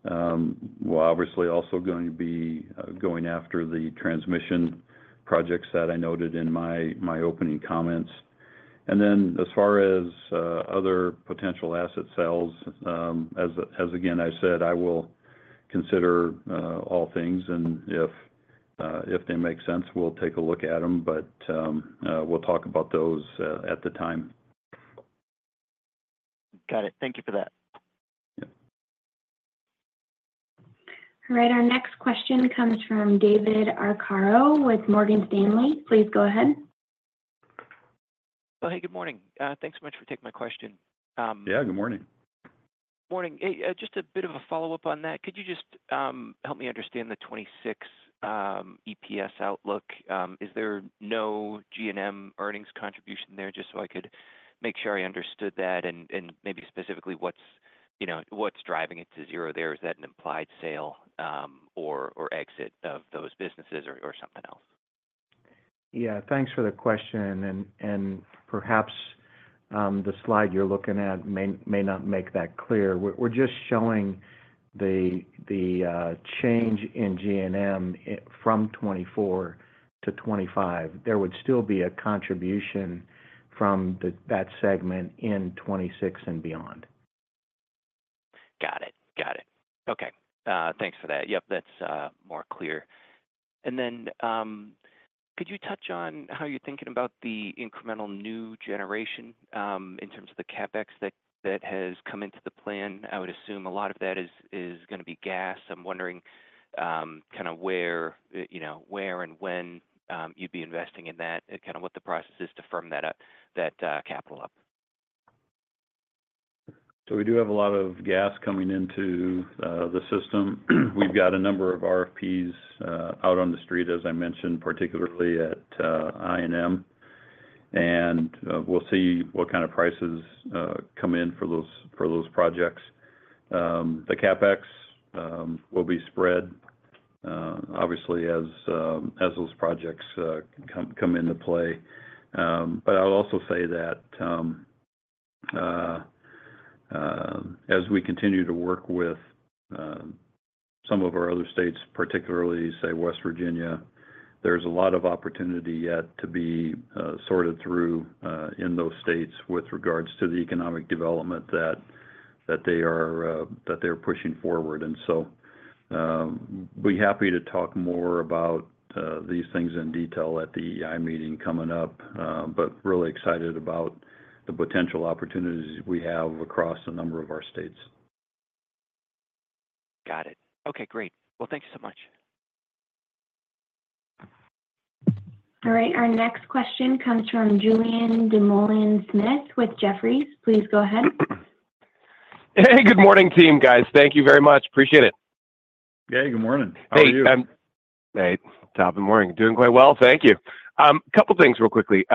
We're obviously also going to be going after the transmission projects that I noted in my opening comments. And then as far as other potential asset sales, as again I said, I will consider all things, and if they make sense, we'll take a look at them, but we'll talk about those at the time. Got it. Thank you for that. All right. Our next question comes from David Arcaro with Morgan Stanley. Please go ahead. Oh, hey. Good morning. Thanks so much for taking my question. Yeah. Good morning. Morning. Just a bit of a follow-up on that. Could you just help me understand the 2026 EPS outlook? Is there no G&M earnings contribution there? Just so I could make sure I understood that and maybe specifically what's driving it to zero there. Is that an implied sale or exit of those businesses or something else? Yeah. Thanks for the question. And perhaps the slide you're looking at may not make that clear. We're just showing the change in G&M from 2024 to 2025. There would still be a contribution from that segment in 2026 and beyond.. Got it. Got it. Okay. Thanks for that. Yep. That's more clear. And then could you touch on how you're thinking about the incremental new generation in terms of the CapEx that has come into the plan? I would assume a lot of that is going to be gas. I'm wondering kind of where and when you'd be investing in that, kind of what the process is to firm that capital up. So we do have a lot of gas coming into the system. We've got a number of RFPs out on the street, as I mentioned, particularly at I&M, and we'll see what kind of prices come in for those projects. The CapEx will be spread, obviously, as those projects come into play. But I'll also say that as we continue to work with some of our other states, particularly, say, West Virginia, there's a lot of opportunity yet to be sorted through in those states with regards to the economic development that they are pushing forward. And so I'll be happy to talk more about these things in detail at the EEI meeting coming up, but really excited about the potential opportunities we have across a number of our states. Got it. Okay. Great. Well, thanks so much. All right. Our next question comes from Julien Dumoulin-Smith with Jefferies. Please go ahead. Hey. Good morning, team, guys. Thank you very much. Appreciate it. Hey. Good morning. How are you? Hey. Hey. Good morning. Doing quite well. Thank you. A couple of things real quickly.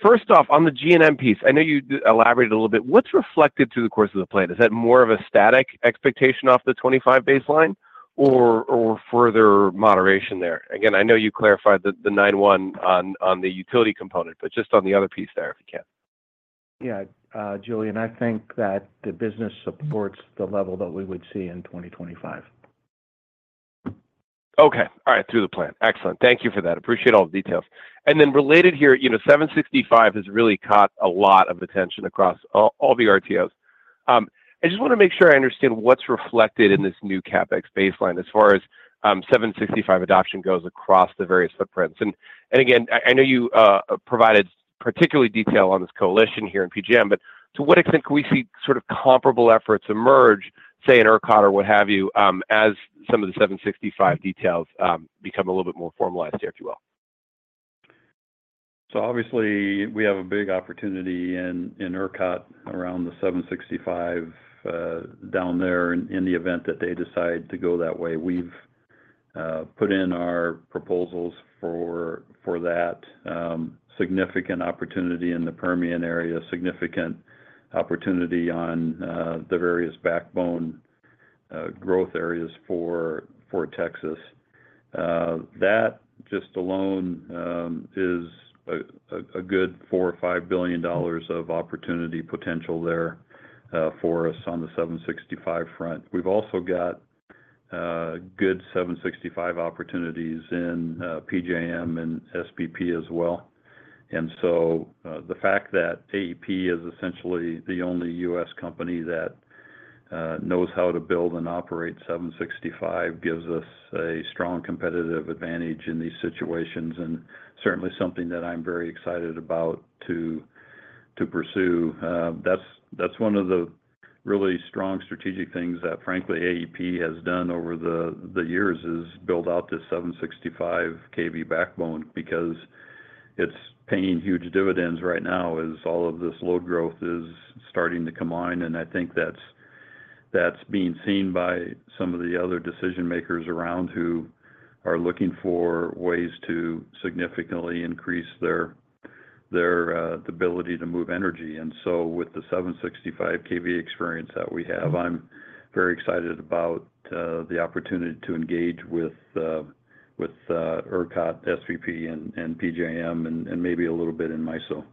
First off, on the G&M piece, I know you elaborated a little bit. What's reflected through the course of the plan? Is that more of a static expectation off the 2025 baseline or further moderation there? Again, I know you clarified the 9.1 on the utility component, but just on the other piece there, if you can. Yeah. Julien, I think that the business supports the level that we would see in 2025. Okay. All right. Through the plan. Excellent. Thank you for that. Appreciate all the details. And then related here, 765 has really caught a lot of attention across all the RTOs. I just want to make sure I understand what's reflected in this new CapEx baseline as far as 765 adoption goes across the various footprints. And again, I know you provided particular detail on this coalition here in PJM, but to what extent can we see sort of comparable efforts emerge, say, in ERCOT or what have you, as some of the 765 details become a little bit more formalized here, if you will? So obviously, we have a big opportunity in ERCOT around the 765 down there in the event that they decide to go that way. We've put in our proposals for that significant opportunity in the Permian area, significant opportunity on the various backbone growth areas for Texas. That just alone is a good $4-$5 billion of opportunity potential there for us on the 765 front. We've also got good 765 opportunities in PJM and SPP as well. And so the fact that AEP is essentially the only U.S. company that knows how to build and operate 765 kV gives us a strong competitive advantage in these situations and certainly something that I'm very excited about to pursue. That's one of the really strong strategic things that, frankly, AEP has done over the years is build out this 765 kV backbone because it's paying huge dividends right now as all of this load growth is starting to combine. And I think that's being seen by some of the other decision-makers around who are looking for ways to significantly increase their ability to move energy. And so with the 765 kV experience that we have, I'm very excited about the opportunity to engage with ERCOT, SPP, and PJM, and maybe a little bit in MISO.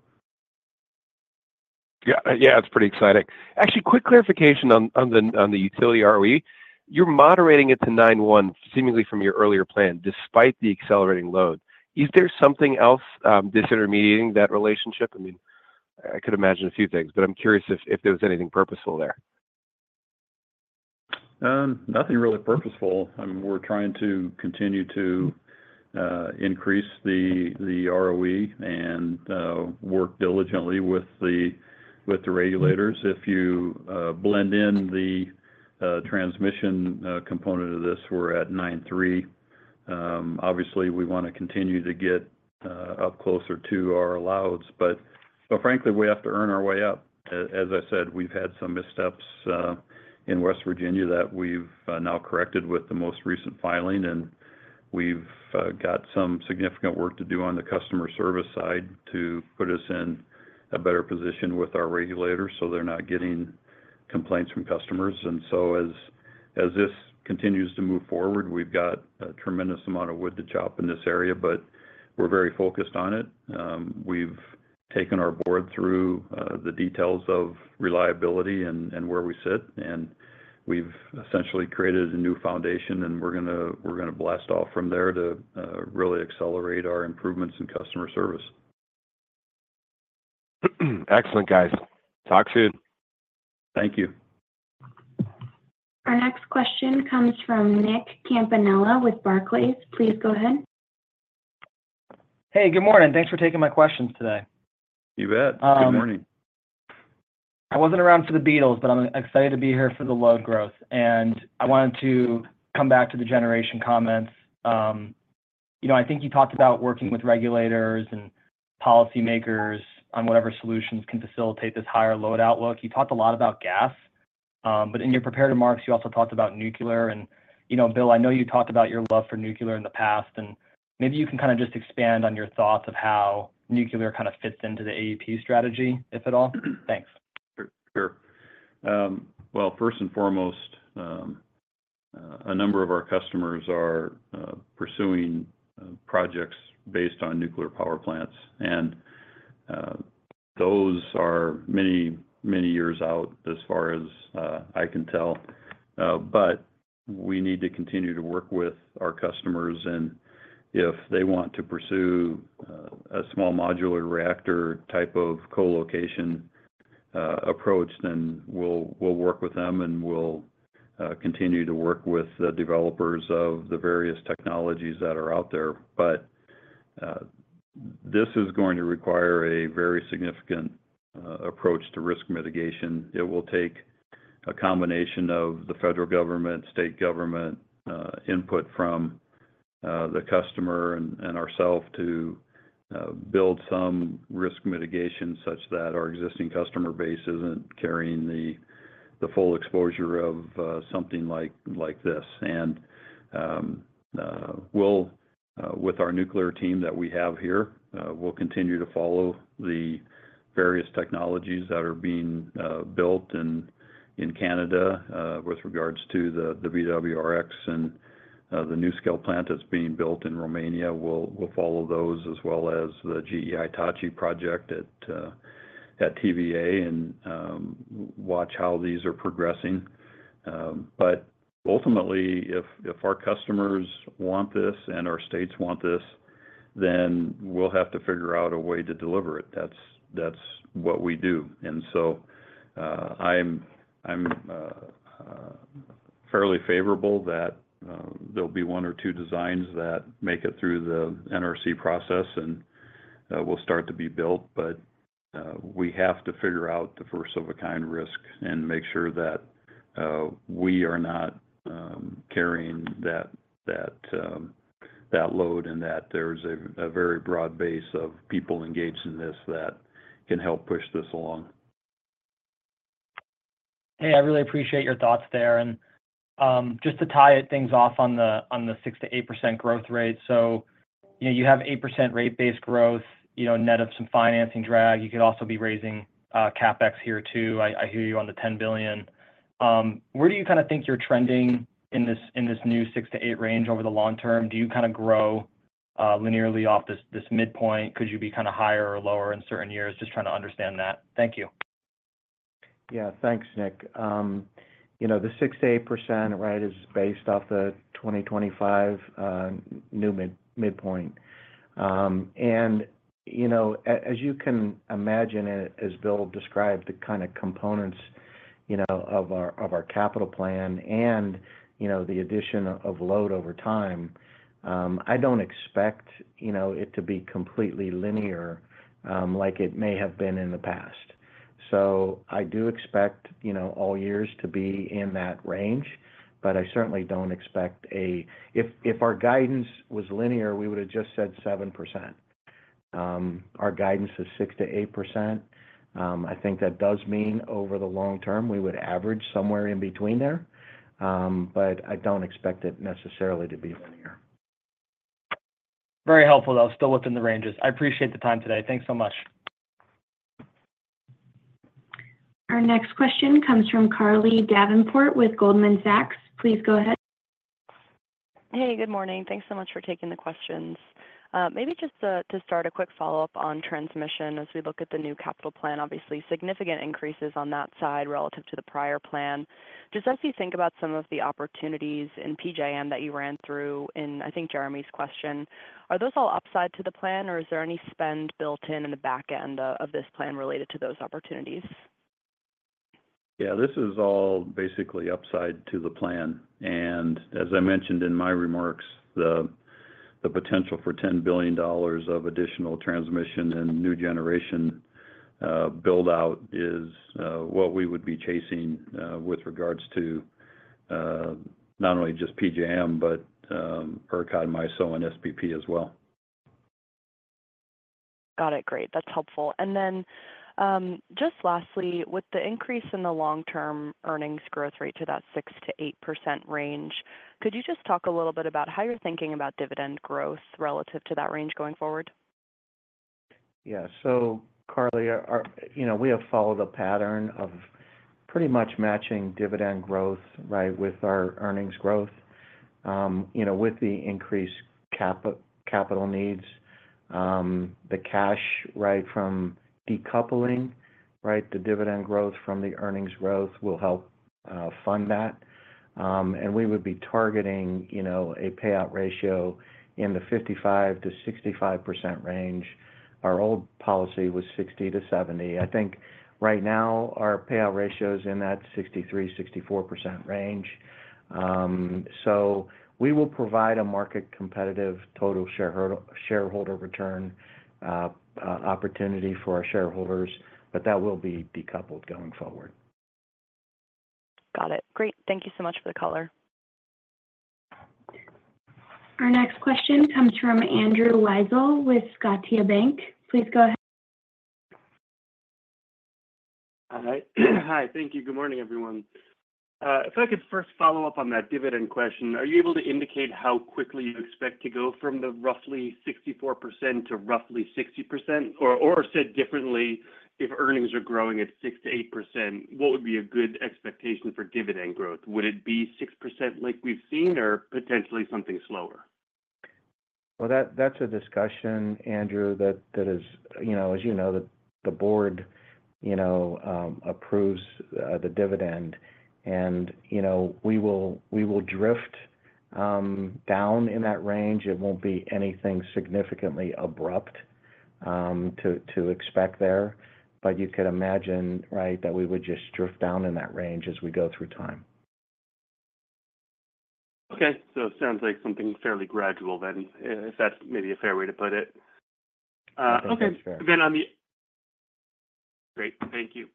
Yeah. Yeah. That's pretty exciting. Actually, quick clarification on the utility ROE. You're moderating it to 9.1%, seemingly from your earlier plan, despite the accelerating load. Is there something else disintermediating that relationship? I mean, I could imagine a few things, but I'm curious if there was anything purposeful there. Nothing really purposeful. I mean, we're trying to continue to increase the ROE and work diligently with the regulators. If you blend in the transmission component of this, we're at 9.3%. Obviously, we want to continue to get up closer to our alloweds. But frankly, we have to earn our way up. As I said, we've had some missteps in West Virginia that we've now corrected with the most recent filing, and we've got some significant work to do on the customer service side to put us in a better position with our regulators so they're not getting complaints from customers. And so as this continues to move forward, we've got a tremendous amount of wood to chop in this area, but we're very focused on it. We've taken our board through the details of reliability and where we sit, and we've essentially created a new foundation, and we're going to blast off from there to really accelerate our improvements in customer service. Excellent, guys. Talk soon. Thank you. Our next question comes from Nick Campanella with Barclays. Please go ahead. Hey. Good morning. Thanks for taking my questions today. You bet. Good morning. I wasn't around for the Beatles, but I'm excited to be here for the load growth. And I wanted to come back to the generation comments. I think you talked about working with regulators and policymakers on whatever solutions can facilitate this higher load outlook. You talked a lot about gas, but in your prepared remarks, you also talked about nuclear. And Bill, I know you talked about your love for nuclear in the past, and maybe you can kind of just expand on your thoughts of how nuclear kind of fits into the AEP strategy, if at all. Thanks. Sure. Well, first and foremost, a number of our customers are pursuing projects based on nuclear power plants, and those are many, many years out as far as I can tell. But we need to continue to work with our customers. And if they want to pursue a small modular reactor type of co-location approach, then we'll work with them, and we'll continue to work with the developers of the various technologies that are out there. But this is going to require a very significant approach to risk mitigation. It will take a combination of the federal government, state government input from the customer and ourselves to build some risk mitigation such that our existing customer base isn't carrying the full exposure of something like this. And with our nuclear team that we have here, we'll continue to follow the various technologies that are being built in Canada with regards to the BWRX-300 and the NuScale plant that's being built in Romania. We'll follow those as well as the GE Hitachi project at TVA and watch how these are progressing. But ultimately, if our customers want this and our states want this, then we'll have to figure out a way to deliver it. That's what we do. And so I'm fairly favorable that there'll be one or two designs that make it through the NRC process, and it will start to be built. But we have to figure out the first of a kind risk and make sure that we are not carrying that load and that there's a very broad base of people engaged in this that can help push this along. Hey, I really appreciate your thoughts there. And just to tie things off on the 6%-8% growth rate, so you have 8% rate based growth, net of some financing drag. You could also be raising CapEx here too. I hear you on the $10 billion. Where do you kind of think you're trending in this new 6%-8% range over the long term? Do you kind of grow linearly off this midpoint? Could you be kind of higher or lower in certain years? Just trying to understand that. Thank you. Yeah. Thanks, Nick. The 6%-8%, right, is based off the 2025 new midpoint. As you can imagine, as Bill described the kind of components of our capital plan and the addition of load over time, I don't expect it to be completely linear like it may have been in the past. So I do expect all years to be in that range, but I certainly don't expect if our guidance was linear, we would have just said 7%. Our guidance is 6%-8%. I think that does mean over the long term, we would average somewhere in between there, but I don't expect it necessarily to be linear. Very helpful, though. Still within the ranges. I appreciate the time today. Thanks so much. Our next question comes from Carly Davenport with Goldman Sachs. Please go ahead. Hey. Good morning. Thanks so much for taking the questions. Maybe just to start, a quick follow-up on transmission as we look at the new capital plan. Obviously, significant increases on that side relative to the prior plan. Just as you think about some of the opportunities in PJM that you ran through in, I think, Jeremy's question, are those all upside to the plan, or is there any spend built in in the back end of this plan related to those opportunities? Yeah. This is all basically upside to the plan. And as I mentioned in my remarks, the potential for $10 billion of additional transmission and new generation build-out is what we would be chasing with regards to not only just PJM, but ERCOT, MISO, and SPP as well. Got it. Great. That's helpful. And then just lastly, with the increase in the long-term earnings growth rate to that 6%-8% range, could you just talk a little bit about how you're thinking about dividend growth relative to that range going forward? Yeah. So Carly, we have followed a pattern of pretty much matching dividend growth, right, with our earnings growth. With the increased capital needs, the cash, right, from decoupling, right, the dividend growth from the earnings growth will help fund that. And we would be targeting a payout ratio in the 55%-65% range. Our old policy was 60%-70%. I think right now our payout ratio is in that 63%-64% range. So we will provide a market-competitive total shareholder return opportunity for our shareholders, but that will be decoupled going forward. Got it. Great. Thank you so much for the color. Our next question comes from Andrew Weisel with Scotiabank. Please go ahead. Hi. Thank you. Good morning, everyone. If I could first follow-up on that dividend question, are you able to indicate how quickly you expect to go from the roughly 64% to roughly 60%? Or said differently, if earnings are growing at 6%-8%, what would be a good expectation for dividend growth? Would it be 6% like we've seen or potentially something slower? Well, that's a discussion, Andrew, that is, as you know, the board approves the dividend. And we will drift down in that range. It won't be anything significantly abrupt to expect there. But you could imagine, right, that we would just drift down in that range as we go through time. Okay. So it sounds like something fairly gradual then, if that's maybe a fair way to put it. Thank you.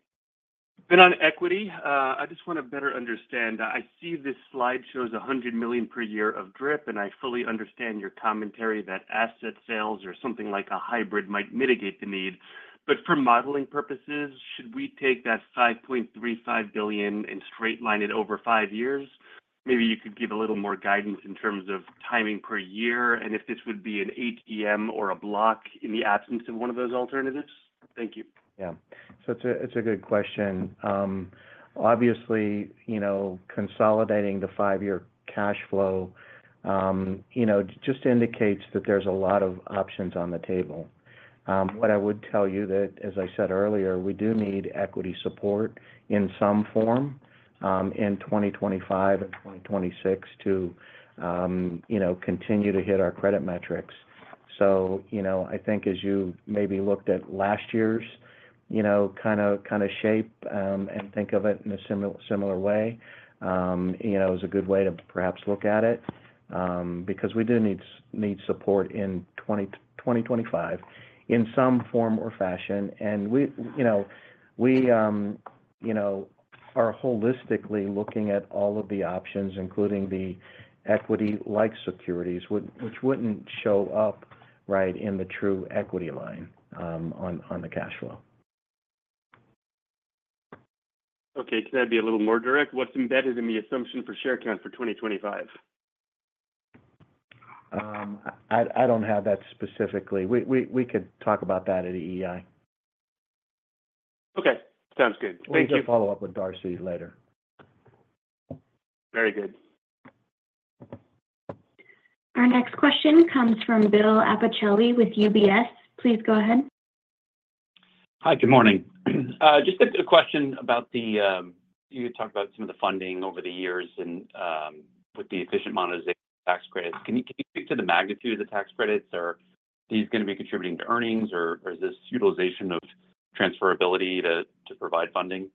Then on equity, I just want to better understand. I see this slide shows $100 million per year of DRIP, and I fully understand your commentary that asset sales or something like a hybrid might mitigate the need. But for modeling purposes, should we take that $5.35 billion and straight-line it over five years? Maybe you could give a little more guidance in terms of timing per year and if this would be an ATM or a block in the absence of one of those alternatives. Thank you. Yeah. So it's a good question. Obviously, consolidating the five-year cash flow just indicates that there's a lot of options on the table. What I would tell you that, as I said earlier, we do need equity support in some form in 2025 and 2026 to continue to hit our credit metrics. So I think as you maybe looked at last year's kind of shape and think of it in a similar way, it was a good way to perhaps look at it because we do need support in 2025 in some form or fashion. And we are holistically looking at all of the options, including the equity-like securities, which wouldn't show up, right, in the true equity line on the cash flow. Okay. Can I be a little more direct? What's embedded in the assumption for share count for 2025? I don't have that specifically. We could talk about that at EEI. Okay. Sounds good. Thank you. We can follow up with Darcy later. Very good. Our next question comes from Bill Appicelli with UBS. Please go ahead. Hi. Good morning. Just a question about, you talked about some of the funding over the years and with the efficient monetization tax credits. Can you speak to the magnitude of the tax credits? Are these going to be contributing to earnings, or is this utilization of transferability to provide funding?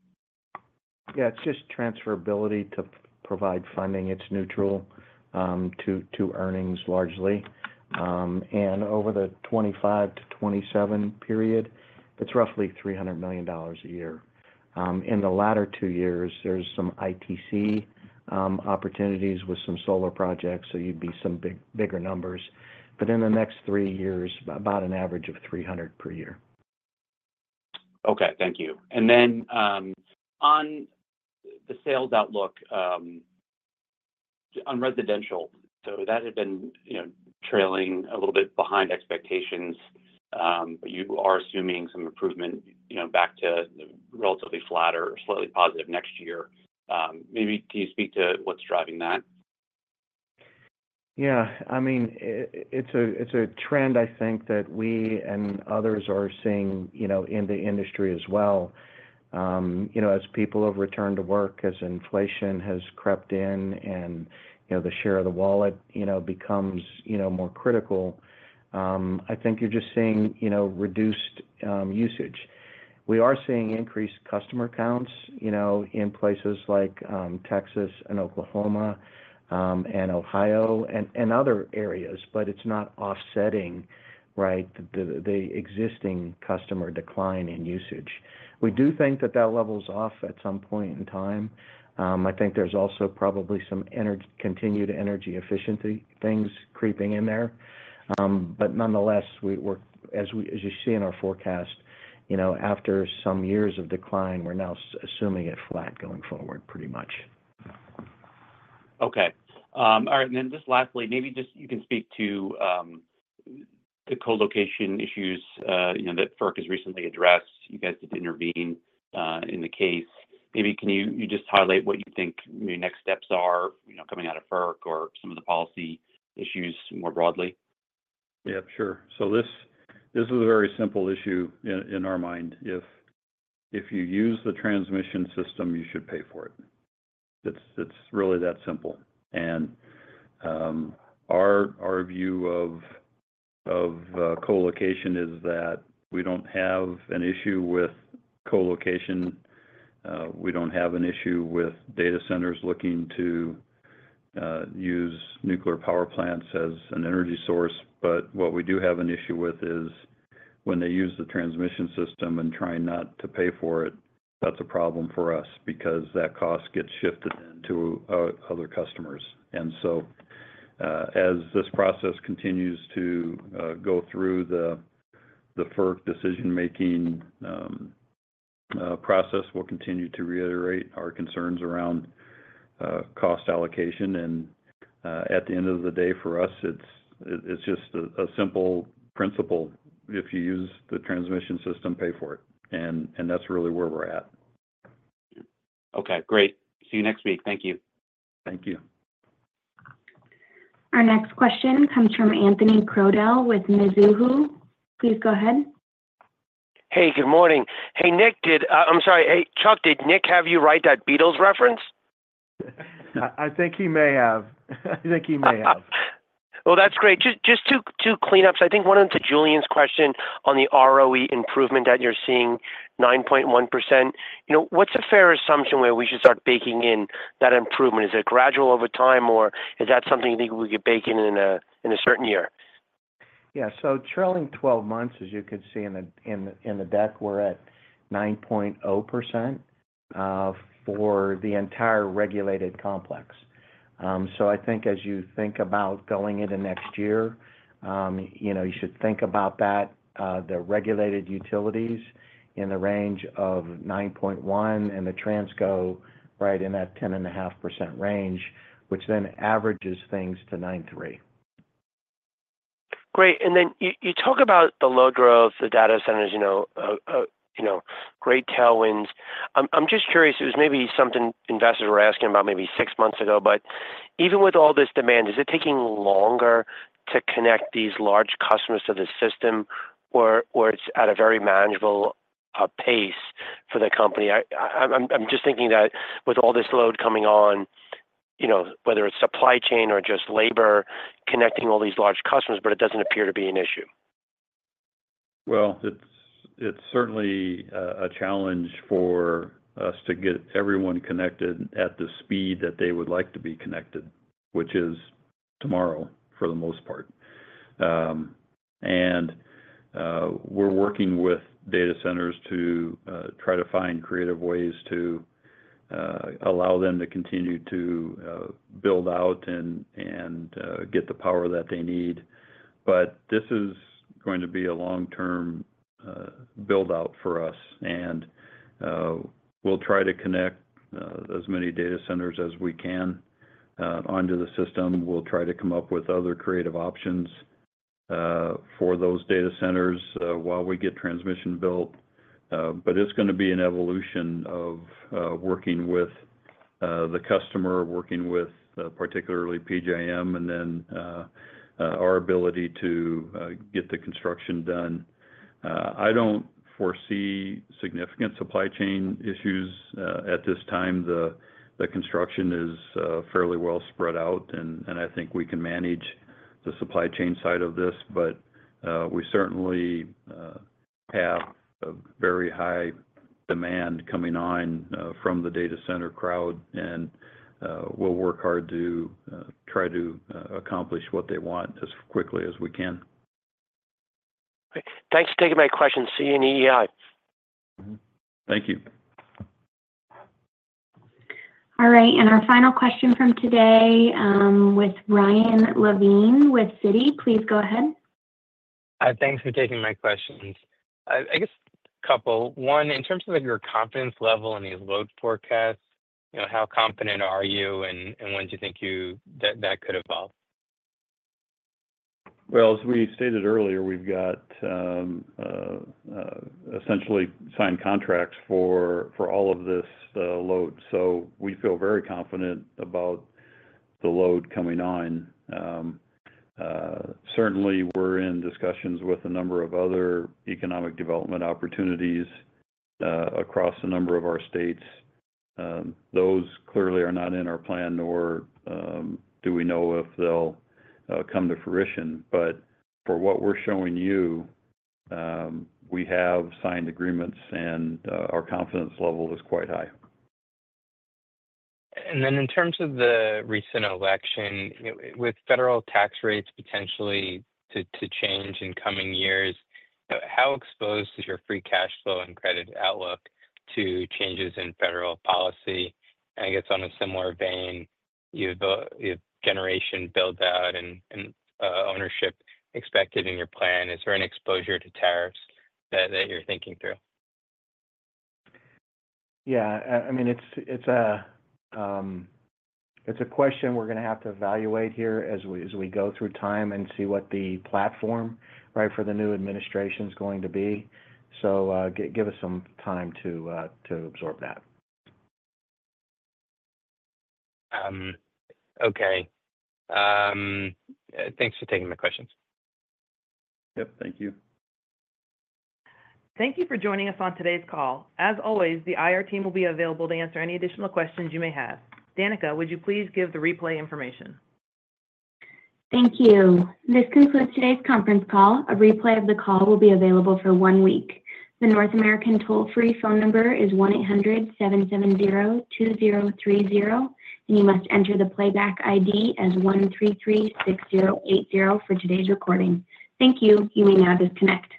Yeah. It's just transferability to provide funding. It's neutral to earnings largely. And over the 2025-2027 period, it's roughly $300 million a year. In the latter two years, there's some ITC opportunities with some solar projects, so you'd see some bigger numbers. But in the next three years, about an average of 300 per year. Okay. Thank you. And then on the sales outlook on residential, so that had been trailing a little bit behind expectations, but you are assuming some improvement back to relatively flat or slightly positive next year. Maybe can you speak to what's driving that? Yeah. I mean, it's a trend I think that we and others are seeing in the industry as well. As people have returned to work, as inflation has crept in, and the share of the wallet becomes more critical, I think you're just seeing reduced usage. We are seeing increased customer counts in places like Texas and Oklahoma and Ohio and other areas, but it's not offsetting, right, the existing customer decline in usage. We do think that that level's off at some point in time. I think there's also probably some continued energy efficiency things creeping in there. But nonetheless, as you see in our forecast, after some years of decline, we're now assuming it flat going forward pretty much. Okay. All right. And then just lastly, maybe just you can speak to the co-location issues that FERC has recently addressed. You guys did intervene in the case. Maybe can you just highlight what you think your next steps are coming out of FERC or some of the policy issues more broadly? Yeah. Sure. So this is a very simple issue in our mind. If you use the transmission system, you should pay for it. It's really that simple. And our view of co-location is that we don't have an issue with co-location. We don't have an issue with data centers looking to use nuclear power plants as an energy source. But what we do have an issue with is when they use the transmission system and try not to pay for it, that's a problem for us because that cost gets shifted into other customers. And so as this process continues to go through the FERC decision-making process, we'll continue to reiterate our concerns around cost allocation. And at the end of the day, for us, it's just a simple principle. If you use the transmission system, pay for it. And that's really where we're at. Okay. Great. See you next week. Thank you. Thank you. Our next question comes from Anthony Crowdell with Mizuho. Please go ahead. Hey. Good morning. Hey, Nick. I'm sorry. Hey, Chuck, did Nick have you right? That Beatles reference? I think he may have. I think he may have. Well, that's great. Just two cleanups. I think one of them is Julien's question on the ROE improvement that you're seeing, 9.1%. What's a fair assumption where we should start baking in that improvement? Is it gradual over time, or is that something you think we could bake in in a certain year? Yeah. So trailing 12 months, as you could see in the deck, we're at 9.0% for the entire regulated complex. So I think as you think about going into next year, you should think about that. The regulated utilities in the range of 9.1% and the Transco, right, in that 10.5% range, which then averages things to 9.3%. Great. And then you talk about the load growth, the data centers, great tailwinds. I'm just curious. It was maybe something investors were asking about maybe six months ago. But even with all this demand, is it taking longer to connect these large customers to the system, or it's at a very manageable pace for the company? I'm just thinking that with all this load coming on, whether it's supply chain or just labor connecting all these large customers, but it doesn't appear to be an issue. It's certainly a challenge for us to get everyone connected at the speed that they would like to be connected, which is tomorrow for the most part. And we're working with data centers to try to find creative ways to allow them to continue to build out and get the power that they need. But this is going to be a long-term build-out for us. And we'll try to connect as many data centers as we can onto the system. We'll try to come up with other creative options for those data centers while we get transmission built. But it's going to be an evolution of working with the customer, working with particularly PJM, and then our ability to get the construction done. I don't foresee significant supply chain issues at this time. The construction is fairly well spread out, and I think we can manage the supply chain side of this. But we certainly have very high demand coming on from the data center crowd, and we'll work hard to try to accomplish what they want as quickly as we can. Thanks for taking my questions. See you in EEI. Thank you. All right. And our final question from today with Ryan Levine with Citi. Please go ahead. Thanks for taking my questions. I guess a couple. One, in terms of your confidence level in these load forecasts, how confident are you, and when do you think that could evolve? Well, as we stated earlier, we've got essentially signed contracts for all of this load. So we feel very confident about the load coming on. Certainly, we're in discussions with a number of other economic development opportunities across a number of our states. Those clearly are not in our plan, nor do we know if they'll come to fruition. But for what we're showing you, we have signed agreements, and our confidence level is quite high. And then in terms of the recent election, with federal tax rates potentially to change in coming years, how exposed is your free cash flow and credit outlook to changes in federal policy? And I guess on a similar vein, you have generation build-out and ownership expected in your plan. Is there an exposure to tariffs that you're thinking through? Yeah. I mean, it's a question we're going to have to evaluate here as we go through time and see what the platform, right, for the new administration is going to be. So give us some time to absorb that. Okay. Thanks for taking my questions. Yep. Thank you. Thank you for joining us on today's call. As always, the IR team will be available to answer any additional questions you may have. Danica, would you please give the replay information? Thank you. This concludes today's conference call. A replay of the call will be available for one week. The North American toll-free phone number is 1-800-770-2030, and you must enter the playback ID as 1336080 for today's recording. Thank you. You may now disconnect.